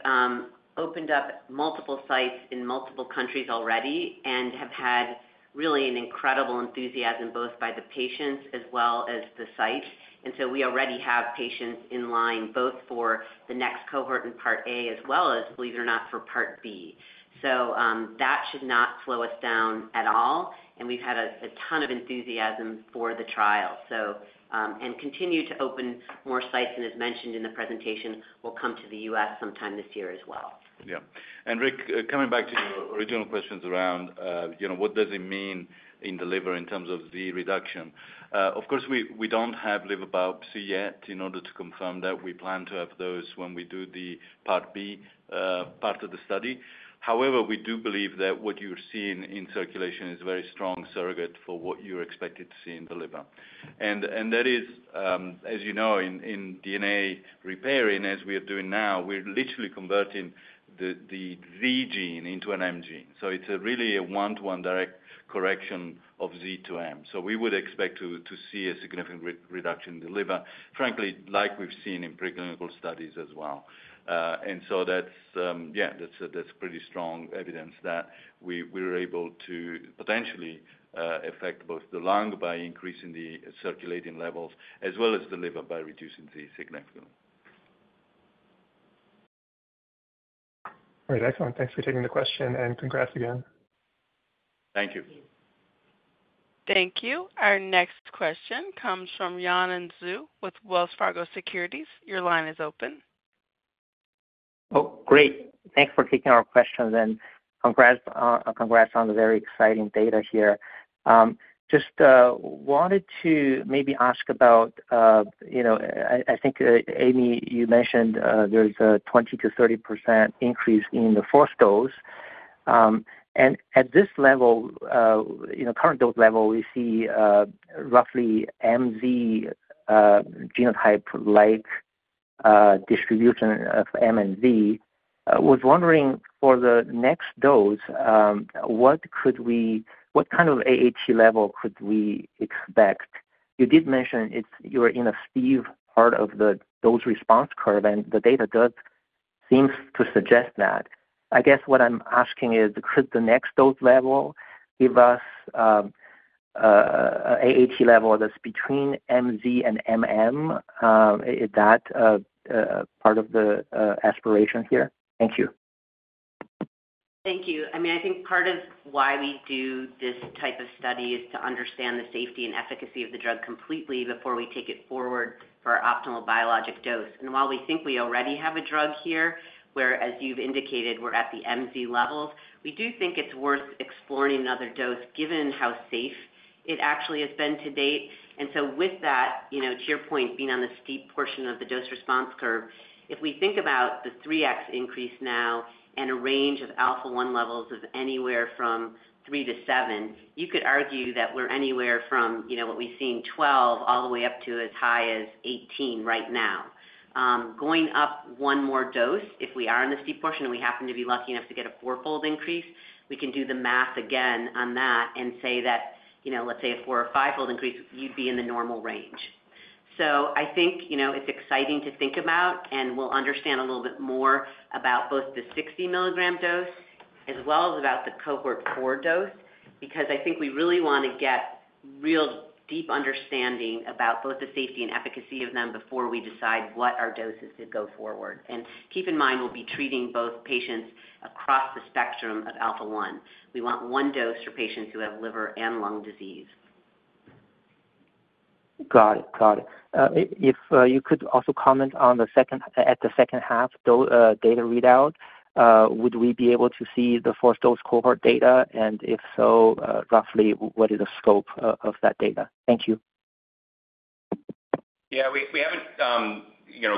Speaker 5: opened up multiple sites in multiple countries already and have had really an incredible enthusiasm, both by the patients as well as the sites. We already have patients in line both for the next cohort in Part A as well as, believe it or not, for Part B. That should not slow us down at all. We've had a ton of enthusiasm for the trial. We continue to open more sites, and as mentioned in the presentation, we'll come to the U.S. sometime this year as well.
Speaker 4: Yeah. Rick, coming back to your original questions around what does it mean in the liver in terms of the reduction. Of course, we do not have liver biopsy yet in order to confirm that. We plan to have those when we do the Part B part of the study. However, we do believe that what you're seeing in circulation is a very strong surrogate for what you're expected to see in the liver. That is, as you know, in DNA repairing, as we are doing now, we're literally converting the Z gene into an M gene. It is really a one-to-one direct correction of Z to M. We would expect to see a significant reduction in the liver, frankly, like we've seen in preclinical studies as well. Yeah, that's pretty strong evidence that we were able to potentially affect both the lung by increasing the circulating levels as well as the liver by reducing Z significantly.
Speaker 7: All right. Excellent. Thanks for taking the question, and congrats again.
Speaker 4: Thank you.
Speaker 1: Thank you. Our next question comes from Yanan Zhu with Wells Fargo Securities. Your line is open.
Speaker 8: Oh, great. Thanks for taking our questions, and congrats on the very exciting data here. Just wanted to maybe ask about, I think, Amy, you mentioned there's a 20%-30% increase in the fourth dose. At this level, current dose level, we see roughly MZ genotype-like distribution of M and Z. I was wondering, for the next dose, what kind of AAT level could we expect? You did mention you were in a steep part of the dose response curve, and the data does seem to suggest that. I guess what I'm asking is, could the next dose level give us an AAT level that's between MZ and is that part of the aspiration here? Thank you.
Speaker 5: Thank you. I mean, I think part of why we do this type of study is to understand the safety and efficacy of the drug completely before we take it forward for optimal biologic dose. While we think we already have a drug here, where, as you've indicated, we're at the MZ levels, we do think it's worth exploring another dose given how safe it actually has been to date. With that, to your point, being on the steep portion of the dose response curve, if we think about the 3x increase now and a range of Alpha-1 levels of anywhere from 3-7, you could argue that we're anywhere from what we've seen, 12, all the way up to as high as 18 right now. Going up one more dose, if we are in the steep portion and we happen to be lucky enough to get a four-fold increase, we can do the math again on that and say that, let's say, a four or five-fold increase, you'd be in the normal range. I think it's exciting to think about, and we'll understand a little bit more about both the 60 mg dose as well as about the cohort four dose, because I think we really want to get real deep understanding about both the safety and efficacy of them before we decide what our doses could go forward. Keep in mind, we'll be treating both patients across the spectrum of Alpha-1. We want one dose for patients who have liver and lung disease.
Speaker 8: Got it. Got it. If you could also comment on the second half data readout, would we be able to see the fourth dose cohort data? If so, roughly, what is the scope of that data? Thank you.
Speaker 3: Yeah. We haven't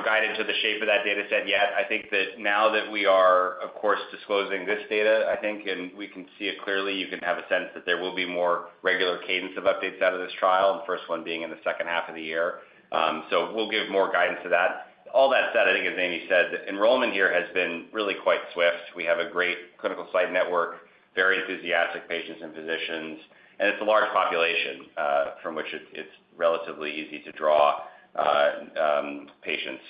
Speaker 3: guided to the shape of that data set yet. I think that now that we are, of course, disclosing this data, I think you can see it clearly, you can have a sense that there will be more regular cadence of updates out of this trial, the first one being in the second half of the year. We'll give more guidance to that. All that said, I think, as Amy said, enrollment here has been really quite swift. We have a great clinical site network, very enthusiastic patients and physicians, and it's a large population from which it's relatively easy to draw patients.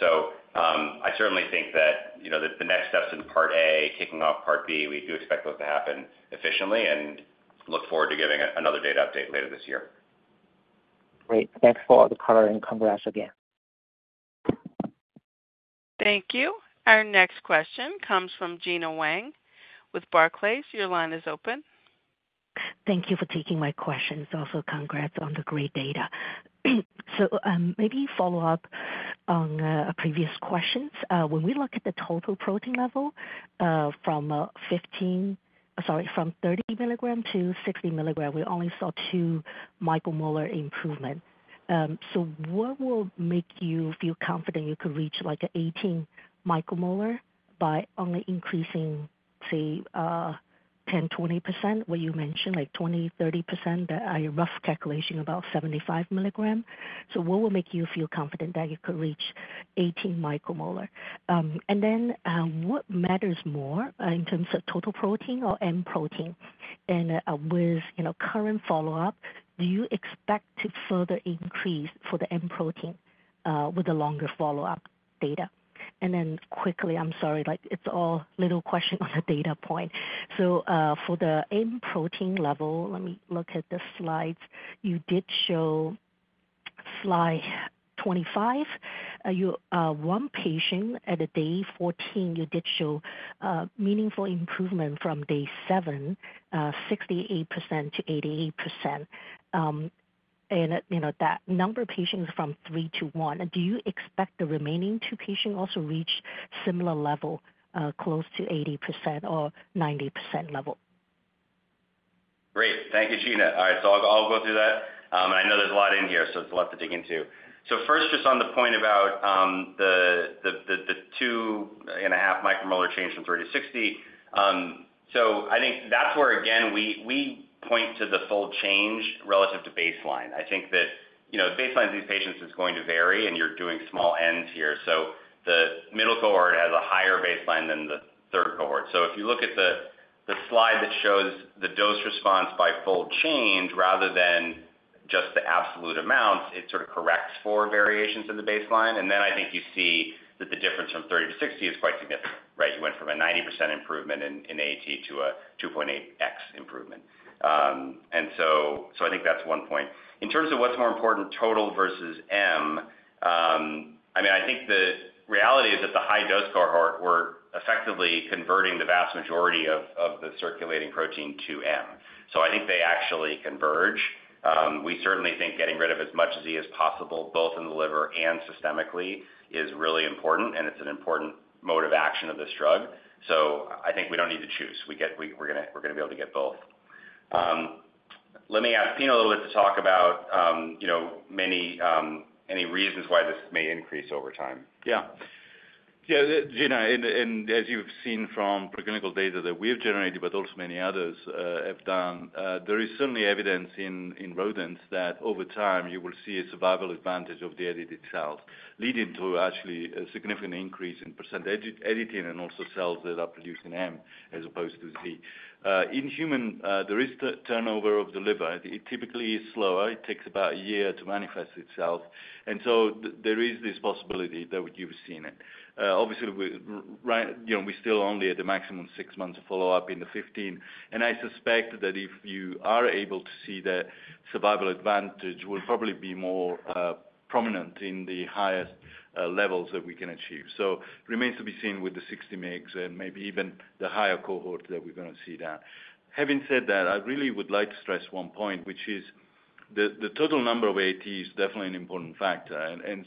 Speaker 3: I certainly think that the next steps in Part A, kicking off Part B, we do expect those to happen efficiently and look forward to giving another data update later this year.
Speaker 8: Great. Thanks for the coloring. Congrats again.
Speaker 1: Thank you. Our next question comes from Gena Wang with Barclays. Your line is open.
Speaker 9: Thank you for taking my questions. Also, congrats on the great data. Maybe follow up on a previous question. When we look at the total protein level from 15, sorry, from 30 mg to 60 mg, we only saw 2 micromolar improvements. What will make you feel confident you could reach like 18 micromolar by only increasing, say, 10%-20%, what you mentioned, like 20%-30%? That is a rough calculation, about 75 mg. What will make you feel confident that you could reach 18 micromolar? What matters more in terms of total protein or M protein? With current follow-up, do you expect to further increase for the M protein with the longer follow-up data? Quickly, I'm sorry, it is a little question on the data point. For the M protein level, let me look at the slides. You did show Slide 25. One patient at day 14, you did show meaningful improvement from day 7, 68%-88%. And that number of patients is from three to one. Do you expect the remaining two patients also reach similar level, close to 80% or 90% level?
Speaker 3: Great. Thank you, Gena. All right. I'll go through that. I know there's a lot in here, so there's a lot to dig into. First, just on the point about the 2.5 micromolar change from 3 to 60. I think that's where, again, we point to the full change relative to baseline. I think that the baseline of these patients is going to vary, and you're doing small Ns here. The middle cohort has a higher baseline than the third cohort. If you look at the slide that shows the dose response by full change, rather than just the absolute amounts, it sort of corrects for variations in the baseline. I think you see that the difference from 30 to 60 is quite significant, right? You went from a 90% improvement in AAT to a 2.8x improvement. I think that's one point. In terms of what's more important, total versus M, I mean, I think the reality is that the high-dose cohort were effectively converting the vast majority of the circulating protein to M. I think they actually converge. We certainly think getting rid of as much Z as possible, both in the liver and systemically, is really important, and it's an important mode of action of this drug. I think we don't need to choose. We're going to be able to get both. Let me ask Pino a little bit to talk about any reasons why this may increase over time.
Speaker 4: Yeah. Yeah, Gena, and as you've seen from preclinical data that we've generated, but also many others have done, there is certainly evidence in rodents that over time, you will see a survival advantage of the edited cells, leading to actually a significant increase in percent editing and also cells that are producing M as opposed to Z. In human, there is turnover of the liver. It typically is slower. It takes about a year to manifest itself. There is this possibility that you've seen it. Obviously, we're still only at the maximum six months of follow-up in the 15. I suspect that if you are able to see that survival advantage, it will probably be more prominent in the highest levels that we can achieve. It remains to be seen with the 60 mg and maybe even the higher cohort that we're going to see that. Having said that, I really would like to stress one point, which is the total number of AAT is definitely an important factor.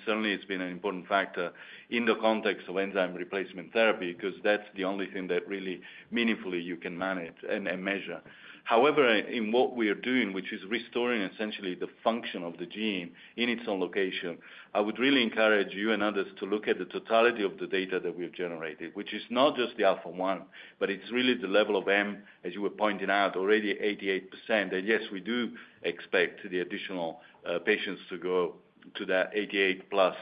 Speaker 4: Certainly, it's been an important factor in the context of enzyme replacement therapy because that's the only thing that really meaningfully you can manage and measure. However, in what we are doing, which is restoring essentially the function of the gene in its own location, I would really encourage you and others to look at the totality of the data that we've generated, which is not just the alpha-1, but it's really the level of M, as you were pointing out, already 88%. Yes, we do expect the additional patients to go to that 88% plus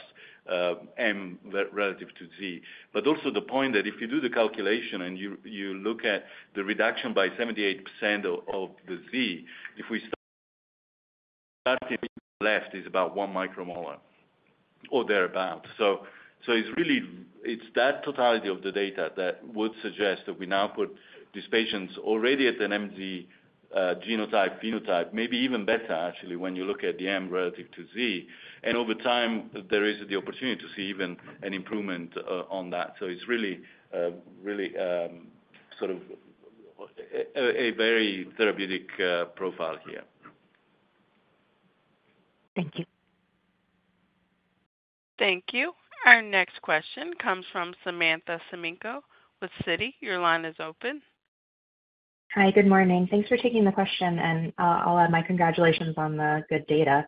Speaker 4: M relative to Z. Also the point that if you do the calculation and you look at the reduction by 78% of the Z, if we are starting to the left, it's about 1 micromolar or thereabouts. It is that totality of the data that would suggest that we now put these patients already at an MZ genotype-phenotype, maybe even better, actually, when you look at the M relative to Z. Over time, there is the opportunity to see even an improvement on that. It is really sort of a very therapeutic profile here.
Speaker 9: Thank you.
Speaker 1: Thank you. Our next question comes from Samantha Semenkow with Citi. Your line is open.
Speaker 10: Hi, good morning. Thanks for taking the question, and I'll add my congratulations on the good data.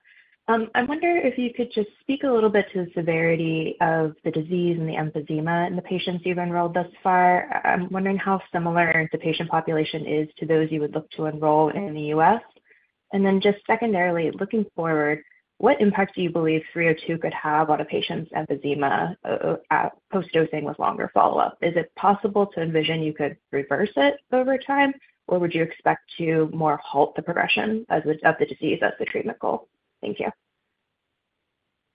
Speaker 10: I wonder if you could just speak a little bit to the severity of the disease and the emphysema in the patients you've enrolled thus far. I'm wondering how similar the patient population is to those you would look to enroll in the U.S. Just secondarily, looking forward, what impact do you believe 302 could have on a patient's emphysema post-dosing with longer follow-up? Is it possible to envision you could reverse it over time, or would you expect to more halt the progression of the disease as the treatment goal? Thank you.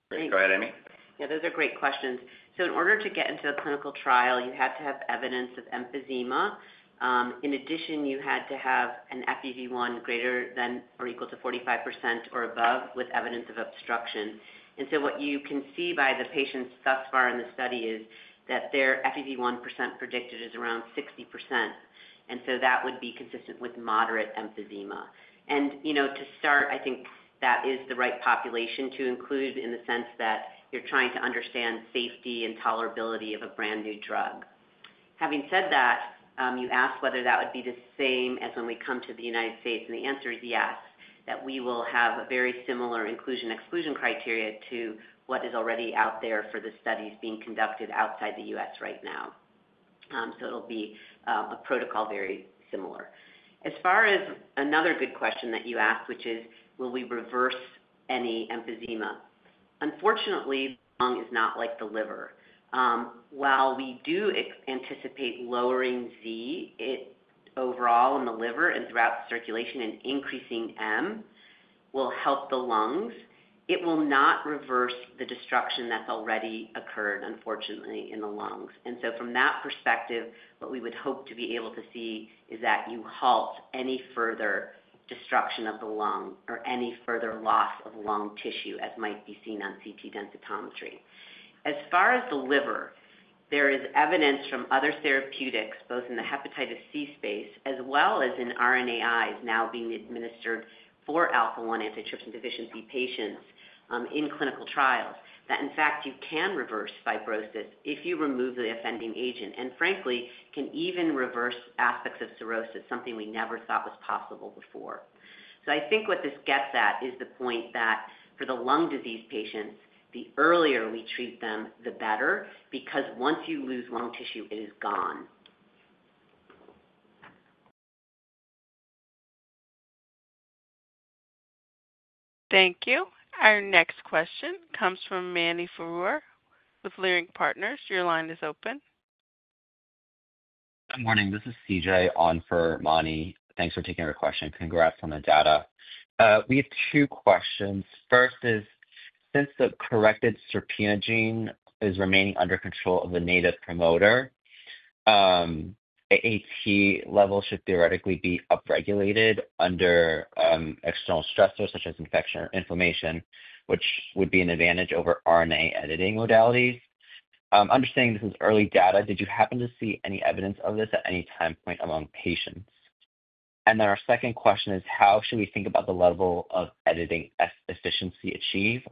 Speaker 3: Great. Go ahead, Amy.
Speaker 5: Yeah, those are great questions. In order to get into a clinical trial, you had to have evidence of emphysema. In addition, you had to have an FEV1 greater than or equal to 45% or above with evidence of obstruction. What you can see by the patients thus far in the study is that their FEV1 % predicted is around 60%. That would be consistent with moderate emphysema. To start, I think that is the right population to include in the sense that you're trying to understand safety and tolerability of a brand new drug. Having said that, you asked whether that would be the same as when we come to the United States, and the answer is yes, that we will have a very similar inclusion-exclusion criteria to what is already out there for the studies being conducted outside the U.S. right now. It'll be a protocol very similar. As far as another good question that you asked, which is, will we reverse any emphysema? Unfortunately, the lung is not like the liver. While we do anticipate lowering Z overall in the liver and throughout the circulation and increasing M will help the lungs, it will not reverse the destruction that's already occurred, unfortunately, in the lungs. From that perspective, what we would hope to be able to see is that you halt any further destruction of the lung or any further loss of lung tissue as might be seen on CT densitometry. As far as the liver, there is evidence from other therapeutics, both in the hepatitis C space as well as in RNAi now being administered for alpha-1 antitrypsin deficiency patients in clinical trials, that in fact, you can reverse fibrosis if you remove the offending agent and, frankly, can even reverse aspects of cirrhosis, something we never thought was possible before. I think what this gets at is the point that for the lung disease patients, the earlier we treat them, the better, because once you lose lung tissue, it is gone.
Speaker 1: Thank you. Our next question comes from Manny Farooq with Leerink Partners. Your line is open.
Speaker 11: Good morning. This is CJ on for Manny. Thanks for taking our question. Congrats on the data. We have two questions. First is, since the corrected SERPINA1 gene is remaining under control of the native promoter, AAT levels should theoretically be upregulated under external stressors such as infection or inflammation, which would be an advantage over RNA editing modalities. Understanding this is early data, did you happen to see any evidence of this at any time point among patients? Our second question is, how should we think about the level of editing efficiency achieved?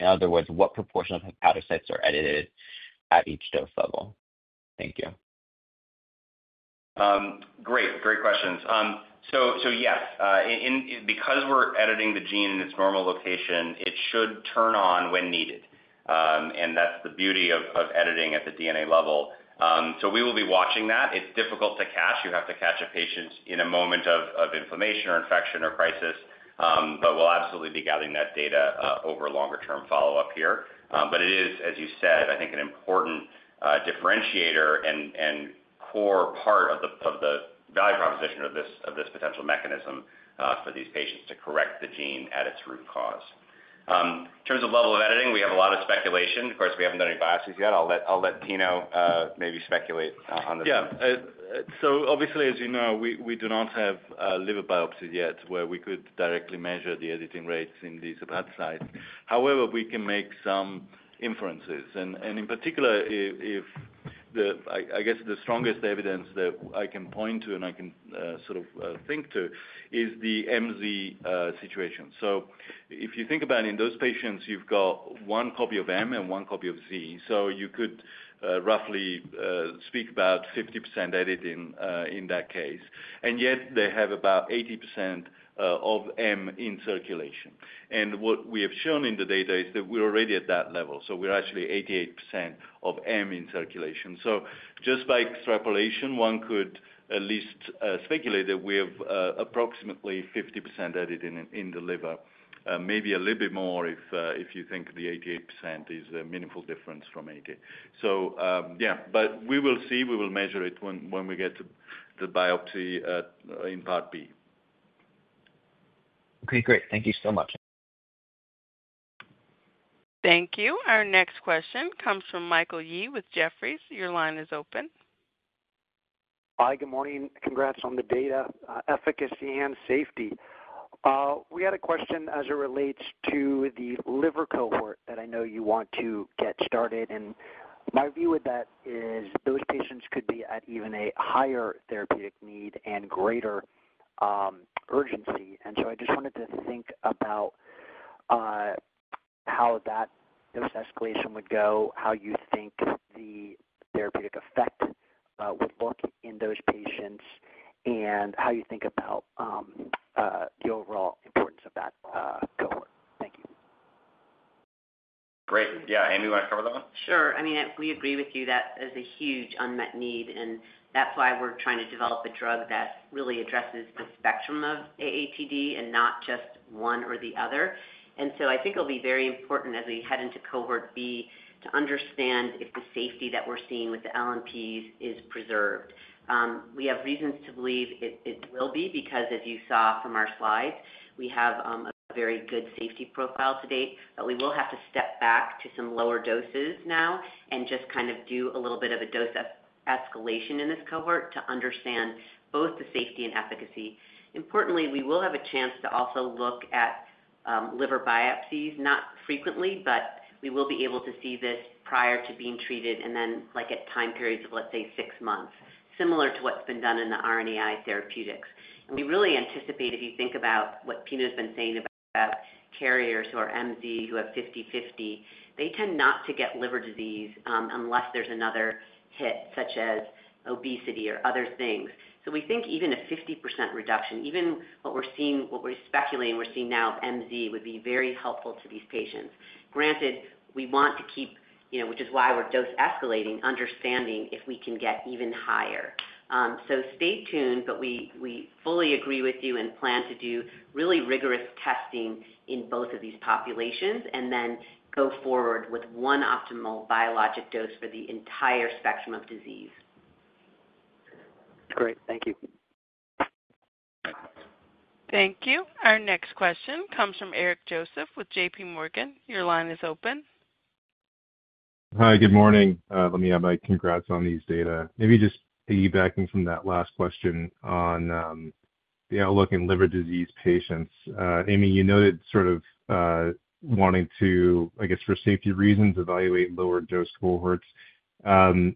Speaker 11: In other words, what proportion of hepatocytes are edited at each dose level? Thank you.
Speaker 3: Great. Great questions. Yes, because we're editing the gene in its normal location, it should turn on when needed. That is the beauty of editing at the DNA level. We will be watching that. It's difficult to catch. You have to catch a patient in a moment of inflammation or infection or crisis, but we'll absolutely be gathering that data over longer-term follow-up here. It is, as you said, I think, an important differentiator and core part of the value proposition of this potential mechanism for these patients to correct the gene at its root cause. In terms of level of editing, we have a lot of speculation. Of course, we haven't done any biopsies yet. I'll let Pino maybe speculate on this.
Speaker 4: Yeah. Obviously, as you know, we do not have liver biopsies yet where we could directly measure the editing rates in these hepatocytes. However, we can make some inferences. In particular, I guess the strongest evidence that I can point to and I can sort of think to is the MZ situation. If you think about it, in those patients, you've got one copy of M and one copy of Z. You could roughly speak about 50% editing in that case. Yet, they have about 80% of M in circulation. What we have shown in the data is that we're already at that level. We're actually 88% of M in circulation. Just by extrapolation, one could at least speculate that we have approximately 50% editing in the liver, maybe a little bit more if you think the 88% is a meaningful difference from 80. Yeah, we will see. We will measure it when we get the biopsy in part B.
Speaker 3: Okay. Great. Thank you so much.
Speaker 1: Thank you. Our next question comes from Michael Yee with Jefferies. Your line is open.
Speaker 12: Hi, good morning. Congrats on the data, efficacy, and safety. We had a question as it relates to the liver cohort that I know you want to get started. My view with that is those patients could be at even a higher therapeutic need and greater urgency. I just wanted to think about how that dose escalation would go, how you think the therapeutic effect would look in those patients, and how you think about the overall importance of that cohort. Thank you.
Speaker 3: Great. Yeah. Amy, you want to cover that one?
Speaker 5: Sure. I mean, we agree with you that there's a huge unmet need, and that's why we're trying to develop a drug that really addresses the spectrum of AATD and not just one or the other. I think it'll be very important as we head into cohort B to understand if the safety that we're seeing with the LNPs is preserved. We have reasons to believe it will be because, as you saw from our slides, we have a very good safety profile to date. We will have to step back to some lower doses now and just kind of do a little bit of a dose escalation in this cohort to understand both the safety and efficacy. Importantly, we will have a chance to also look at liver biopsies, not frequently, but we will be able to see this prior to being treated and then at time periods of, let's say, six months, similar to what's been done in the RNAi therapeutics. We really anticipate, if you think about what Pino has been saying about carriers who are MZ who have 50/50, they tend not to get liver disease unless there's another hit such as obesity or other things. We think even a 50% reduction, even what we're seeing, what we're speculating, we're seeing now of MZ would be very helpful to these patients. Granted, we want to keep, which is why we're dose escalating, understanding if we can get even higher. We fully agree with you and plan to do really rigorous testing in both of these populations and then go forward with one optimal biologic dose for the entire spectrum of disease.
Speaker 3: Great. Thank you.
Speaker 1: Thank you. Our next question comes from Eric Joseph with JPMorgan. Your line is open.
Speaker 13: Hi, good morning. Let me add my congrats on these data. Maybe just piggybacking from that last question on the outlook in liver disease patients. Amy, you noted sort of wanting to, I guess, for safety reasons, evaluate lower-dose cohorts to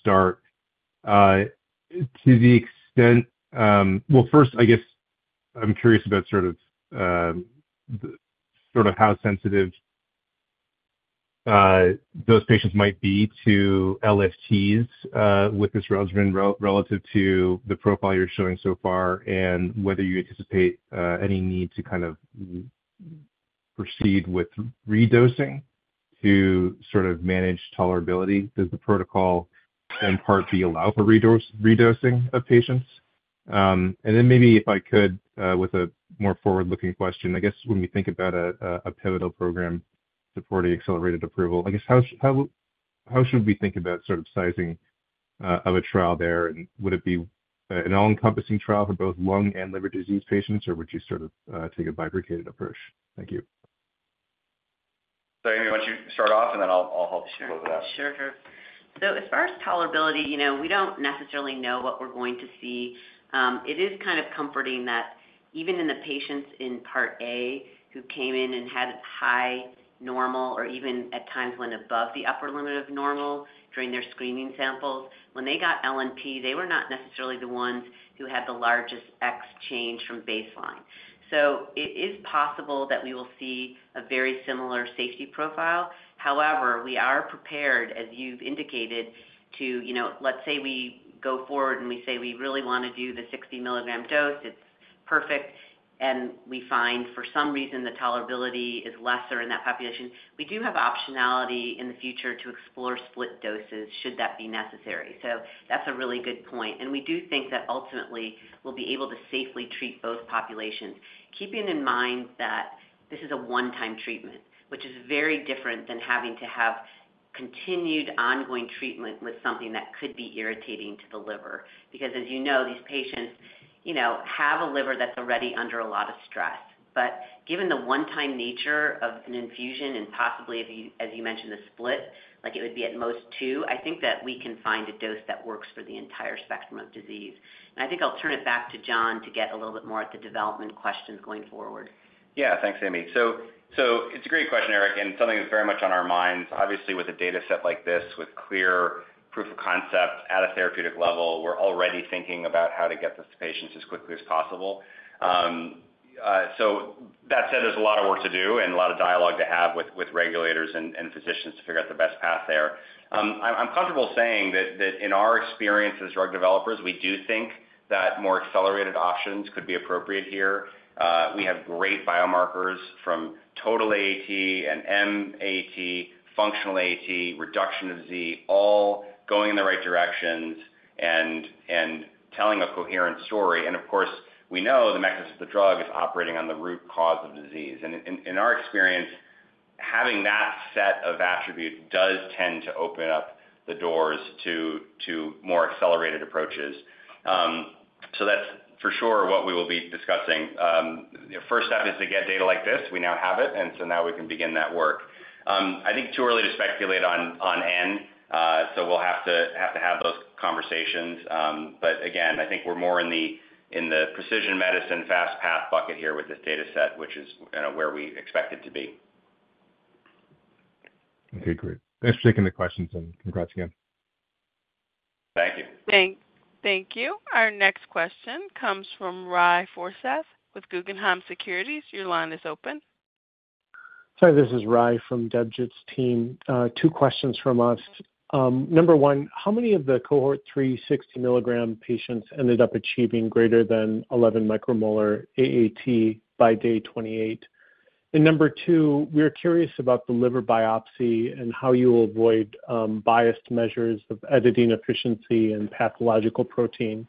Speaker 13: start. To the extent, first, I guess I am curious about sort of how sensitive those patients might be to LFTs with this regimen relative to the profile you are showing so far and whether you anticipate any need to kind of proceed with redosing to sort of manage tolerability. Does the protocol in part B allow for redosing of patients? Maybe if I could, with a more forward-looking question, I guess when we think about a pivotal program supporting accelerated approval, how should we think about sort of sizing of a trial there? Would it be an all-encompassing trial for both lung and liver disease patients, or would you sort of take a bifurcated approach? Thank you.
Speaker 3: Amy, why don't you start off, and then I'll help you with that.
Speaker 5: Sure. As far as tolerability, we do not necessarily know what we are going to see. It is kind of comforting that even in the patients in part A who came in and had high normal or even at times went above the upper limit of normal during their screening samples, when they got LNP, they were not necessarily the ones who had the largest X change from baseline. It is possible that we will see a very similar safety profile. However, we are prepared, as you have indicated, to let's say we go forward and we say we really want to do the 60 mg dose. It is perfect. If we find, for some reason, the tolerability is lesser in that population, we do have optionality in the future to explore split doses should that be necessary. That is a really good point. We do think that ultimately, we'll be able to safely treat both populations, keeping in mind that this is a one-time treatment, which is very different than having to have continued ongoing treatment with something that could be irritating to the liver. Because as you know, these patients have a liver that's already under a lot of stress. Given the one-time nature of an infusion and possibly, as you mentioned, the split, it would be at most two, I think that we can find a dose that works for the entire spectrum of disease. I think I'll turn it back to John to get a little bit more at the development questions going forward.
Speaker 3: Yeah. Thanks, Amy. It's a great question, Eric, and something that's very much on our minds. Obviously, with a dataset like this, with clear proof of concept at a therapeutic level, we're already thinking about how to get this to patients as quickly as possible. That said, there's a lot of work to do and a lot of dialogue to have with regulators and physicians to figure out the best path there. I'm comfortable saying that in our experience as drug developers, we do think that more accelerated options could be appropriate here. We have great biomarkers from total AAT and MAT, functional AAT, reduction of Z, all going in the right directions and telling a coherent story. Of course, we know the mechanism of the drug is operating on the root cause of disease. In our experience, having that set of attributes does tend to open up the doors to more accelerated approaches. That is for sure what we will be discussing. The first step is to get data like this. We now have it, and now we can begin that work. I think it is too early to speculate on end, so we will have to have those conversations. Again, I think we are more in the precision medicine fast path bucket here with this dataset, which is where we expect it to be.
Speaker 13: Okay. Great. Thanks for taking the questions, and congrats again.
Speaker 3: Thank you.
Speaker 1: Thank you. Our next question comes from Ry Forseth with Guggenheim Securities. Your line is open.
Speaker 14: Hi, this is Ry from [AUDIO DISTORTION] team. Two questions from us. Number one, how many of the cohort 3 60-mg patients ended up achieving greater than 11 micromolar AAT by day 28? Number two, we're curious about the liver biopsy and how you will avoid biased measures of editing efficiency and pathological protein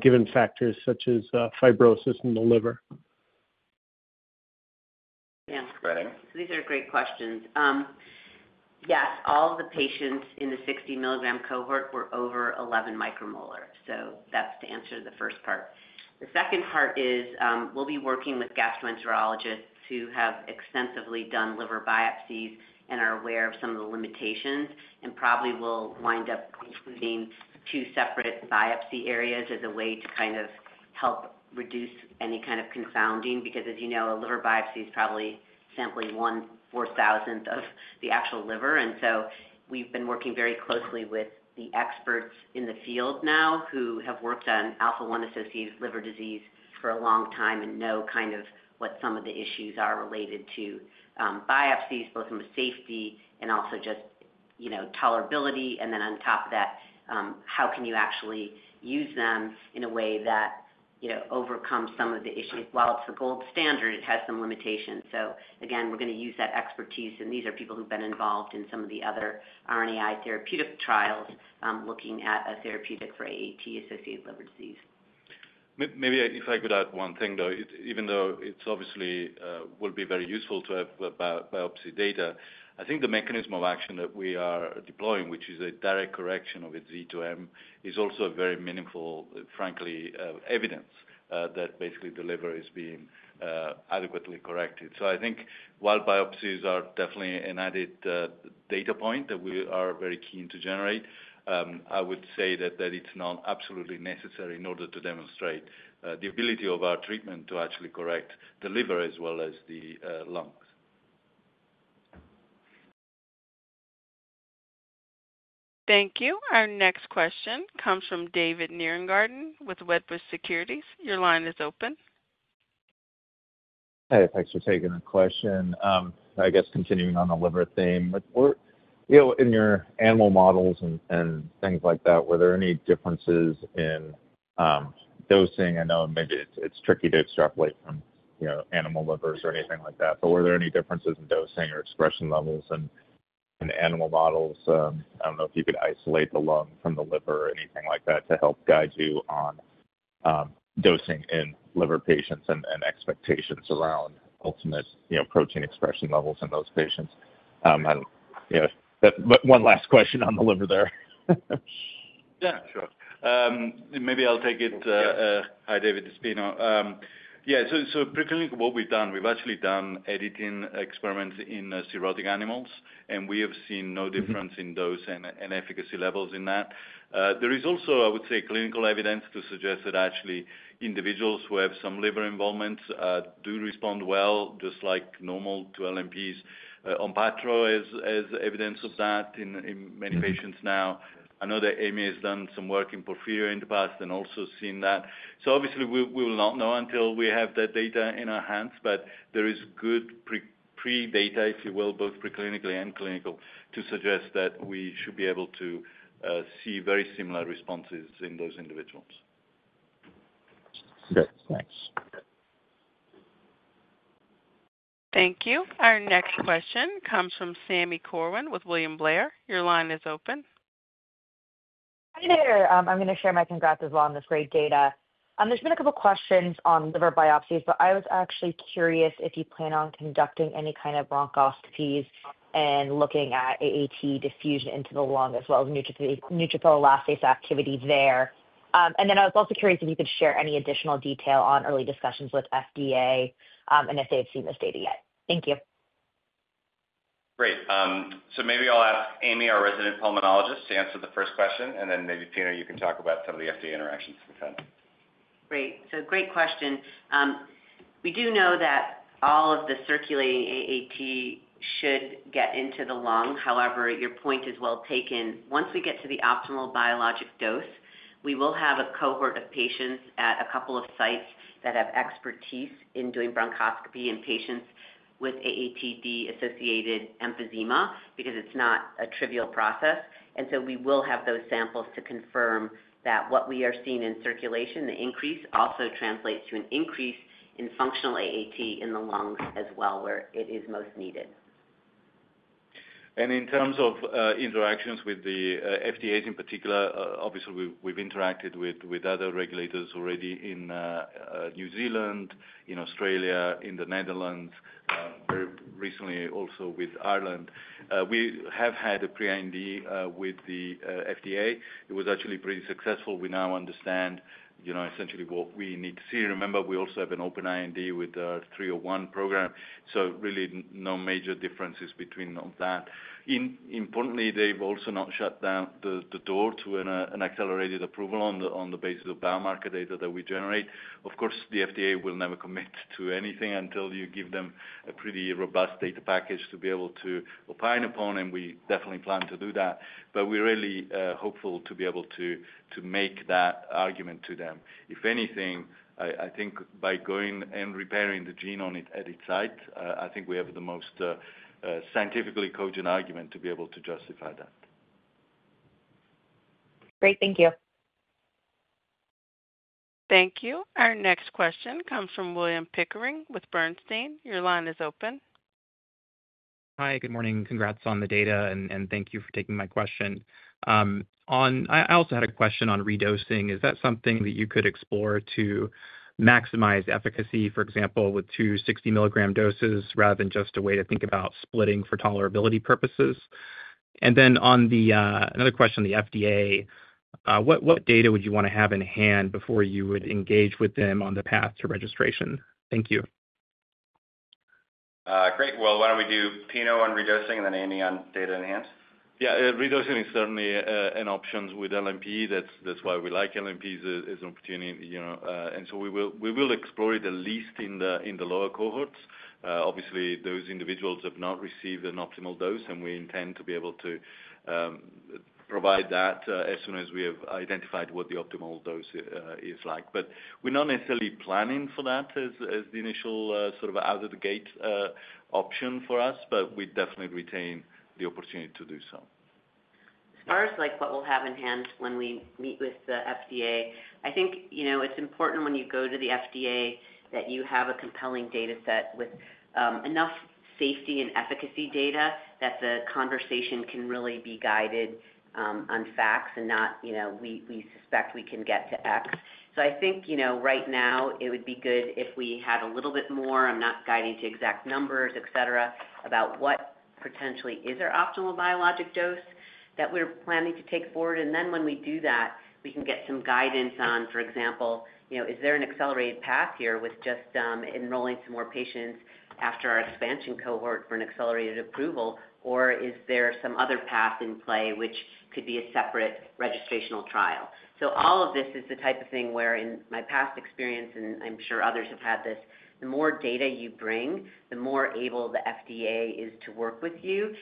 Speaker 14: given factors such as fibrosis in the liver.
Speaker 5: Yeah. These are great questions. Yes, all of the patients in the 60-mg cohort were over 11 micromolar. That is to answer the first part. The second part is we'll be working with gastroenterologists who have extensively done liver biopsies and are aware of some of the limitations and probably will wind up including two separate biopsy areas as a way to kind of help reduce any kind of confounding. Because, as you know, a liver biopsy is probably simply one four-thousandth of the actual liver. We have been working very closely with the experts in the field now who have worked on alpha-1 associated liver disease for a long time and know kind of what some of the issues are related to biopsies, both from a safety and also just tolerability. On top of that, how can you actually use them in a way that overcomes some of the issues? While it's the gold standard, it has some limitations. Again, we're going to use that expertise. These are people who've been involved in some of the other RNAi therapeutic trials looking at a therapeutic for AAT-associated liver disease.
Speaker 4: Maybe if I could add one thing, though, even though it obviously will be very useful to have biopsy data, I think the mechanism of action that we are deploying, which is a direct correction of Z to M, is also a very meaningful, frankly, evidence that basically the liver is being adequately corrected. I think while biopsies are definitely an added data point that we are very keen to generate, I would say that it's not absolutely necessary in order to demonstrate the ability of our treatment to actually correct the liver as well as the lungs.
Speaker 1: Thank you. Our next question comes from David Nierengarten with Wedbush Securities. Your line is open.
Speaker 15: Hey, thanks for taking the question. I guess continuing on the liver theme, in your animal models and things like that, were there any differences in dosing? I know maybe it's tricky to extrapolate from animal livers or anything like that, but were there any differences in dosing or expression levels in animal models? I don't know if you could isolate the lung from the liver or anything like that to help guide you on dosing in liver patients and expectations around ultimate protein expression levels in those patients. One last question on the liver there.
Speaker 4: Yeah. Sure. Maybe I'll take it. Hi, David. It's Pino. Yeah. So pre-clinic, what we've done, we've actually done editing experiments in cirrhotic animals, and we have seen no difference in dose and efficacy levels in that. There is also, I would say, clinical evidence to suggest that actually individuals who have some liver involvement do respond well, just like normal to LNPs, onpatro as evidence of that in many patients now. I know that Amy has done some work in Porphyria in the past and also seen that. Obviously, we will not know until we have that data in our hands, but there is good pre-data, if you will, both pre-clinically and clinical, to suggest that we should be able to see very similar responses in those individuals.
Speaker 15: Okay. Thanks.
Speaker 1: Thank you. Our next question comes from Sami Corwin with William Blair. Your line is open.
Speaker 16: Hi there. I'm going to share my congrats as well on this great data. There's been a couple of questions on liver biopsies, but I was actually curious if you plan on conducting any kind of bronchoscopies and looking at AAT diffusion into the lung as well as neutrophil elastase activity there. I was also curious if you could share any additional detail on early discussions with FDA and if they've seen this data yet. Thank you.
Speaker 3: Great. Maybe I'll ask Amy, our resident pulmonologist, to answer the first question, and then maybe Pino, you can talk about some of the FDA interactions with them.
Speaker 5: Great. Great question. We do know that all of the circulating AAT should get into the lung. However, your point is well taken. Once we get to the optimal biologic dose, we will have a cohort of patients at a couple of sites that have expertise in doing bronchoscopy in patients with AATD-associated emphysema because it is not a trivial process. We will have those samples to confirm that what we are seeing in circulation, the increase, also translates to an increase in functional AAT in the lungs as well, where it is most needed.
Speaker 4: In terms of interactions with the FDA in particular, obviously, we've interacted with other regulators already in New Zealand, in Australia, in the Netherlands, very recently also with Ireland. We have had a pre-IND with the FDA. It was actually pretty successful. We now understand essentially what we need to see. Remember, we also have an open IND with our 301 program. Really no major differences between that. Importantly, they've also not shut down the door to an accelerated approval on the basis of biomarker data that we generate. Of course, the FDA will never commit to anything until you give them a pretty robust data package to be able to opine upon, and we definitely plan to do that. We're really hopeful to be able to make that argument to them. If anything, I think by going and repairing the gene on it at its site, I think we have the most scientifically cogent argument to be able to justify that.
Speaker 16: Great. Thank you.
Speaker 1: Thank you. Our next question comes from William Pickering with Bernstein. Your line is open.
Speaker 17: Hi, good morning. Congrats on the data, and thank you for taking my question. I also had a question on redosing. Is that something that you could explore to maximize efficacy, for example, with two 60-mg doses rather than just a way to think about splitting for tolerability purposes? Another question on the FDA, what data would you want to have in hand before you would engage with them on the path to registration? Thank you.
Speaker 3: Great. Why don't we do Pino on redosing and then Amy on data in hand?
Speaker 4: Yeah. Redosing is certainly an option with LNP. That's why we like LNPs as an opportunity. We will explore it at least in the lower cohorts. Obviously, those individuals have not received an optimal dose, and we intend to be able to provide that as soon as we have identified what the optimal dose is like. We are not necessarily planning for that as the initial sort of out-of-the-gate option for us, but we definitely retain the opportunity to do so.
Speaker 5: As far as what we'll have in hand when we meet with the FDA, I think it's important when you go to the FDA that you have a compelling dataset with enough safety and efficacy data that the conversation can really be guided on facts and not, "We suspect we can get to X." I think right now, it would be good if we had a little bit more—I'm not guiding to exact numbers, etc.—about what potentially is our optimal biologic dose that we're planning to take forward. When we do that, we can get some guidance on, for example, is there an accelerated path here with just enrolling some more patients after our expansion cohort for an accelerated approval, or is there some other path in play which could be a separate registrational trial? All of this is the type of thing where, in my past experience, and I'm sure others have had this, the more data you bring, the more able the FDA is to work with you.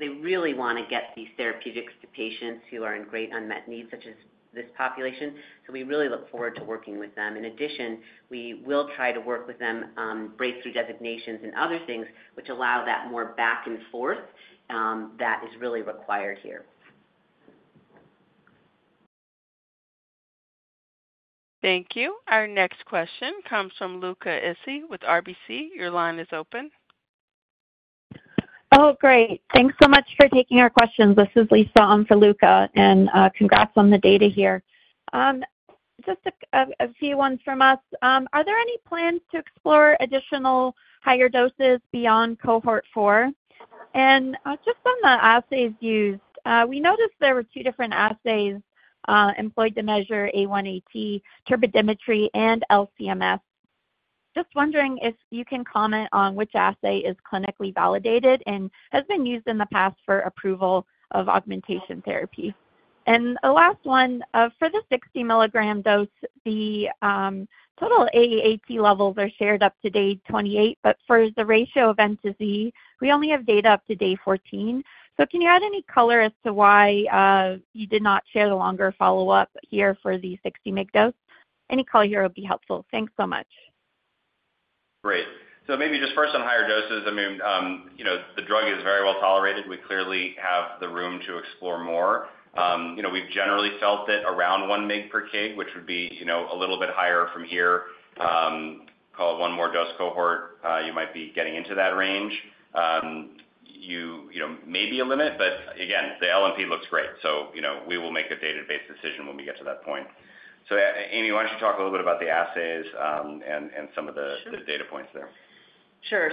Speaker 5: They really want to get these therapeutics to patients who are in great unmet needs, such as this population. We really look forward to working with them. In addition, we will try to work with them on breakthrough designations and other things which allow that more back and forth that is really required here.
Speaker 1: Thank you. Our next question comes from Luca Issi with RBC Capital Markets. Your line is open. Oh, great. Thanks so much for taking our questions. This is Lisa on for Luca, and congrats on the data here. Just a few ones from us. Are there any plans to explore additional higher doses beyond cohort 4? Just on the assays used, we noticed there were two different assays employed to measure A1AT, terpidimetry and LCMS. Just wondering if you can comment on which assay is clinically validated and has been used in the past for approval of augmentation therapy. The last one, for the 60-mg dose, the total AAT levels are shared up to day 28, but for the ratio of N to Z, we only have data up to day 14. Can you add any color as to why you did not share the longer follow-up here for the 60-mg dose? Any color here would be helpful. Thanks so much.
Speaker 3: Great. Maybe just first on higher doses, I mean, the drug is very well tolerated. We clearly have the room to explore more. We've generally felt that around 1 mg per kg, which would be a little bit higher from here, called one more dose cohort, you might be getting into that range. Maybe a limit, but again, the LNP looks great. We will make a database decision when we get to that point. Amy, why don't you talk a little bit about the assays and some of the data points there?
Speaker 5: Sure.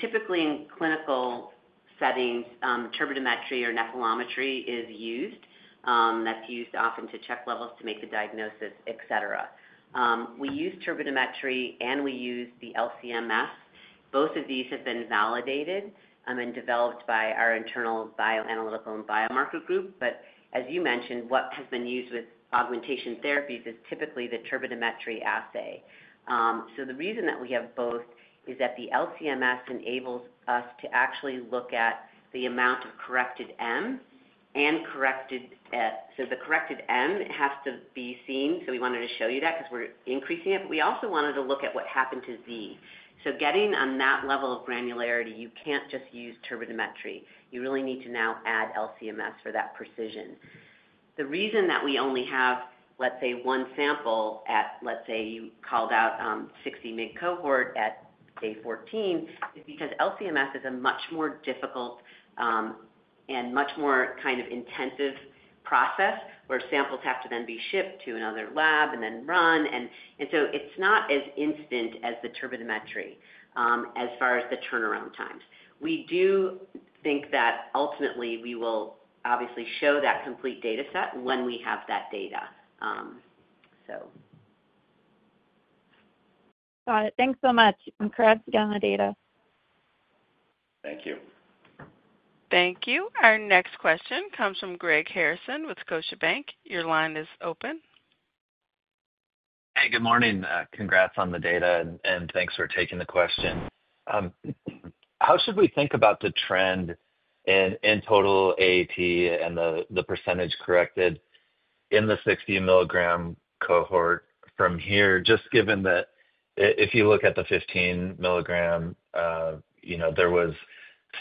Speaker 5: Typically in clinical settings, turbidimetry or nephelometry is used. That's used often to check levels to make the diagnosis, etc. We use turbidimetry, and we use the LCMS. Both of these have been validated and developed by our internal bioanalytical and biomarker group. As you mentioned, what has been used with augmentation therapies is typically the turbidimetry assay. The reason that we have both is that the LCMS enables us to actually look at the amount of corrected M and corrected, so the corrected M has to be seen. We wanted to show you that because we're increasing it, but we also wanted to look at what happened to Z. Getting on that level of granularity, you can't just use turbidimetry. You really need to now add LCMS for that precision. The reason that we only have, let's say, one sample at, let's say, you called out 60-mg cohort at day 14 is because LCMS is a much more difficult and much more kind of intensive process where samples have to then be shipped to another lab and then run. It is not as instant as the terpidimetry as far as the turnaround times. We do think that ultimately we will obviously show that complete dataset when we have that data, so. Got it. Thanks so much. Congrats again on the data.
Speaker 3: Thank you.
Speaker 1: Thank you. Our next question comes from Greg Harrison with Scotiabank. Your line is open.
Speaker 18: Hey, good morning. Congrats on the data, and thanks for taking the question. How should we think about the trend in total AAT and the % corrected in the 60-mg cohort from here, just given that if you look at the 15-mg, there was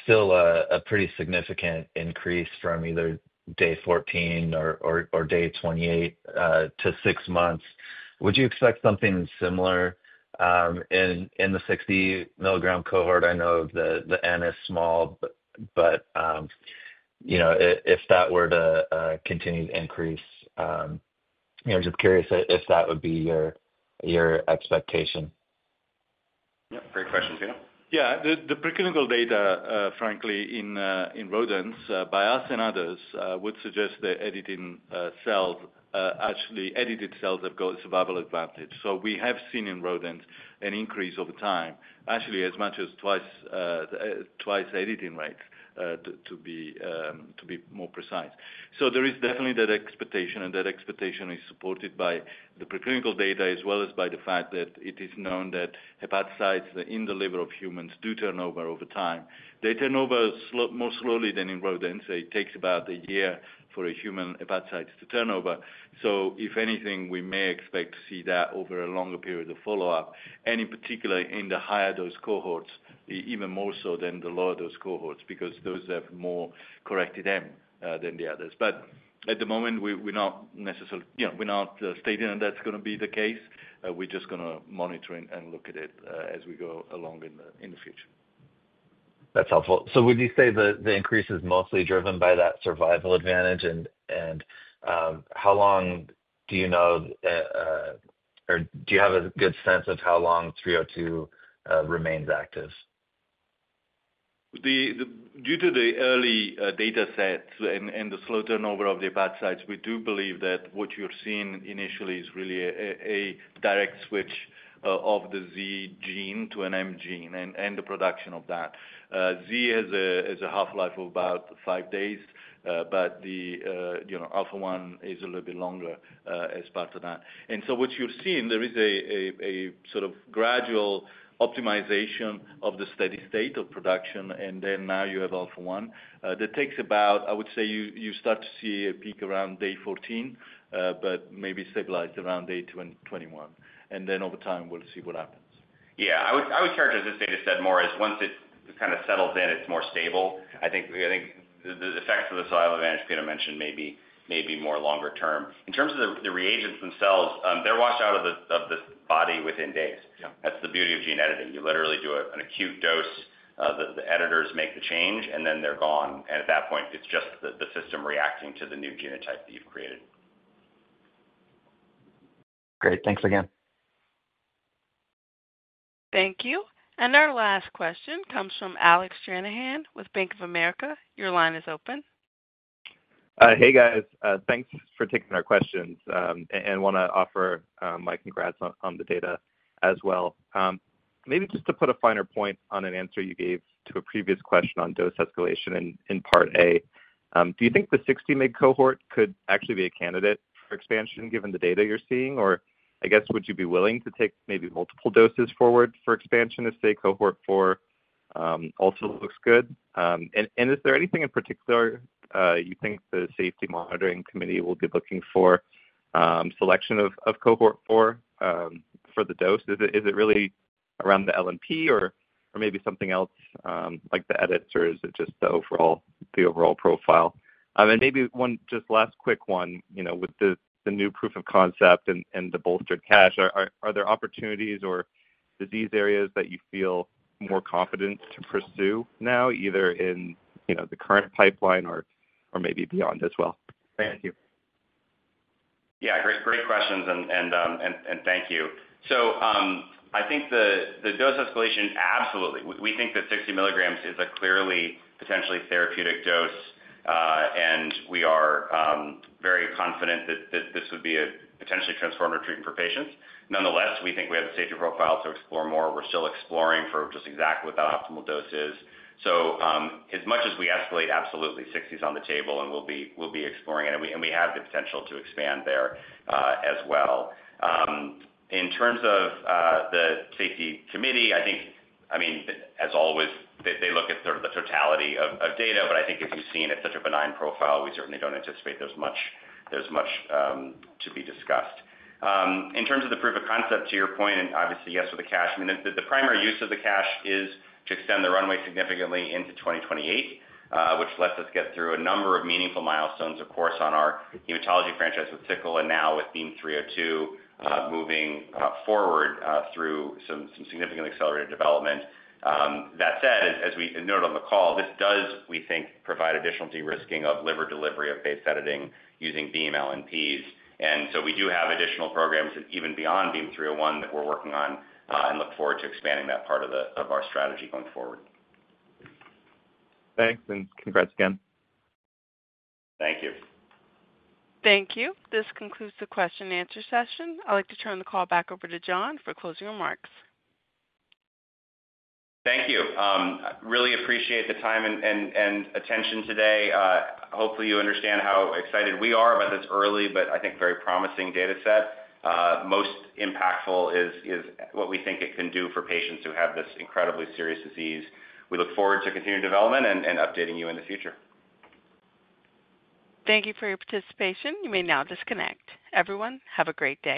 Speaker 18: still a pretty significant increase from either day 14 or day 28 to six months? Would you expect something similar in the 60-mg cohort? I know the N is small, but if that were to continue to increase, I'm just curious if that would be your expectation. Yep. Great questions, Pino.
Speaker 4: Yeah. The pre-clinical data, frankly, in rodents, by us and others, would suggest that editing cells, actually edited cells have got survival advantage. You know, we have seen in rodents an increase over time, actually as much as twice editing rates to be more precise. There is definitely that expectation, and that expectation is supported by the pre-clinical data as well as by the fact that it is known that hepatocytes in the liver of humans do turn over over time. They turn over more slowly than in rodents. It takes about a year for a human hepatocyte to turnover. If anything, we may expect to see that over a longer period of follow-up, and in particular in the higher-dose cohorts, even more so than the lower-dose cohorts because those have more corrected M than the others. At the moment, we're not necessarily—yeah, we're not stating that that's going to be the case. We're just going to monitor and look at it as we go along in the future.
Speaker 18: That's helpful. Would you say the increase is mostly driven by that survival advantage? And how long do you know, or do you have a good sense of how long 302 remains active?
Speaker 4: Due to the early datasets and the slow turnover of the hepatocytes, we do believe that what you're seeing initially is really a direct switch of the Z gene to an M gene and the production of that. Z has a half-life of about five days, but the alpha-1 is a little bit longer as part of that. What you're seeing there is a sort of gradual optimization of the steady state of production, and now you have alpha-1. That takes about—I would say you start to see a peak around day 14, but maybe stabilize around day 21. Over time, we'll see what happens.
Speaker 3: Yeah. I would characterize this dataset more as once it kind of settles in, it's more stable. I think the effects of the survival advantage Pino mentioned may be more longer term. In terms of the reagents themselves, they're washed out of the body within days. That's the beauty of gene editing. You literally do an acute dose, the editors make the change, and then they're gone. At that point, it's just the system reacting to the new genotype that you've created. Great. Thanks again.
Speaker 1: Thank you. Our last question comes from Alex Janahan with Bank of America. Your line is open.
Speaker 19: Hey, guys. Thanks for taking our questions, and I want to offer my congrats on the data as well. Maybe just to put a finer point on an answer you gave to a previous question on dose escalation in part A, do you think the 60-mig cohort could actually be a candidate for expansion given the data you're seeing? Or I guess, would you be willing to take maybe multiple doses forward for expansion if, say, cohort 4 also looks good? Is there anything in particular you think the safety monitoring committee will be looking for selection of cohort 4 for the dose? Is it really around the LNP or maybe something else like the edits, or is it just the overall profile? Maybe just last quick one, with the new proof of concept and the bolstered cash, are there opportunities or disease areas that you feel more confident to pursue now, either in the current pipeline or maybe beyond as well?
Speaker 3: Thank you. Yeah. Great questions, and thank you. I think the dose escalation, absolutely. We think that 60 mg is a clearly potentially therapeutic dose, and we are very confident that this would be a potentially transformative treatment for patients. Nonetheless, we think we have a safety profile to explore more. We're still exploring for just exactly what that optimal dose is. As much as we escalate, absolutely, 60 is on the table, and we'll be exploring it. We have the potential to expand there as well. In terms of the safety committee, I think, I mean, as always, they look at sort of the totality of data, but I think if you've seen it's such a benign profile, we certainly don't anticipate there's much to be discussed. In terms of the proof of concept, to your point, and obviously, yes, with the cash, I mean, the primary use of the cash is to extend the runway significantly into 2028, which lets us get through a number of meaningful milestones, of course, on our hematology franchise with sickle and now with BEAM-302 moving forward through some significant accelerated development. That said, as we noted on the call, this does, we think, provide additional de-risking of liver delivery of base editing using BEAM LNPs. We do have additional programs even beyond BEAM-302 that we're working on and look forward to expanding that part of our strategy going forward.
Speaker 19: Thanks, and congrats again.
Speaker 3: Thank you.
Speaker 1: Thank you. This concludes the question and answer session. I'd like to turn the call back over to John for closing remarks.
Speaker 3: Thank you. Really appreciate the time and attention today. Hopefully, you understand how excited we are about this early, but I think very promising dataset. Most impactful is what we think it can do for patients who have this incredibly serious disease. We look forward to continued development and updating you in the future.
Speaker 1: Thank you for your participation. You may now disconnect. Everyone, have a great day.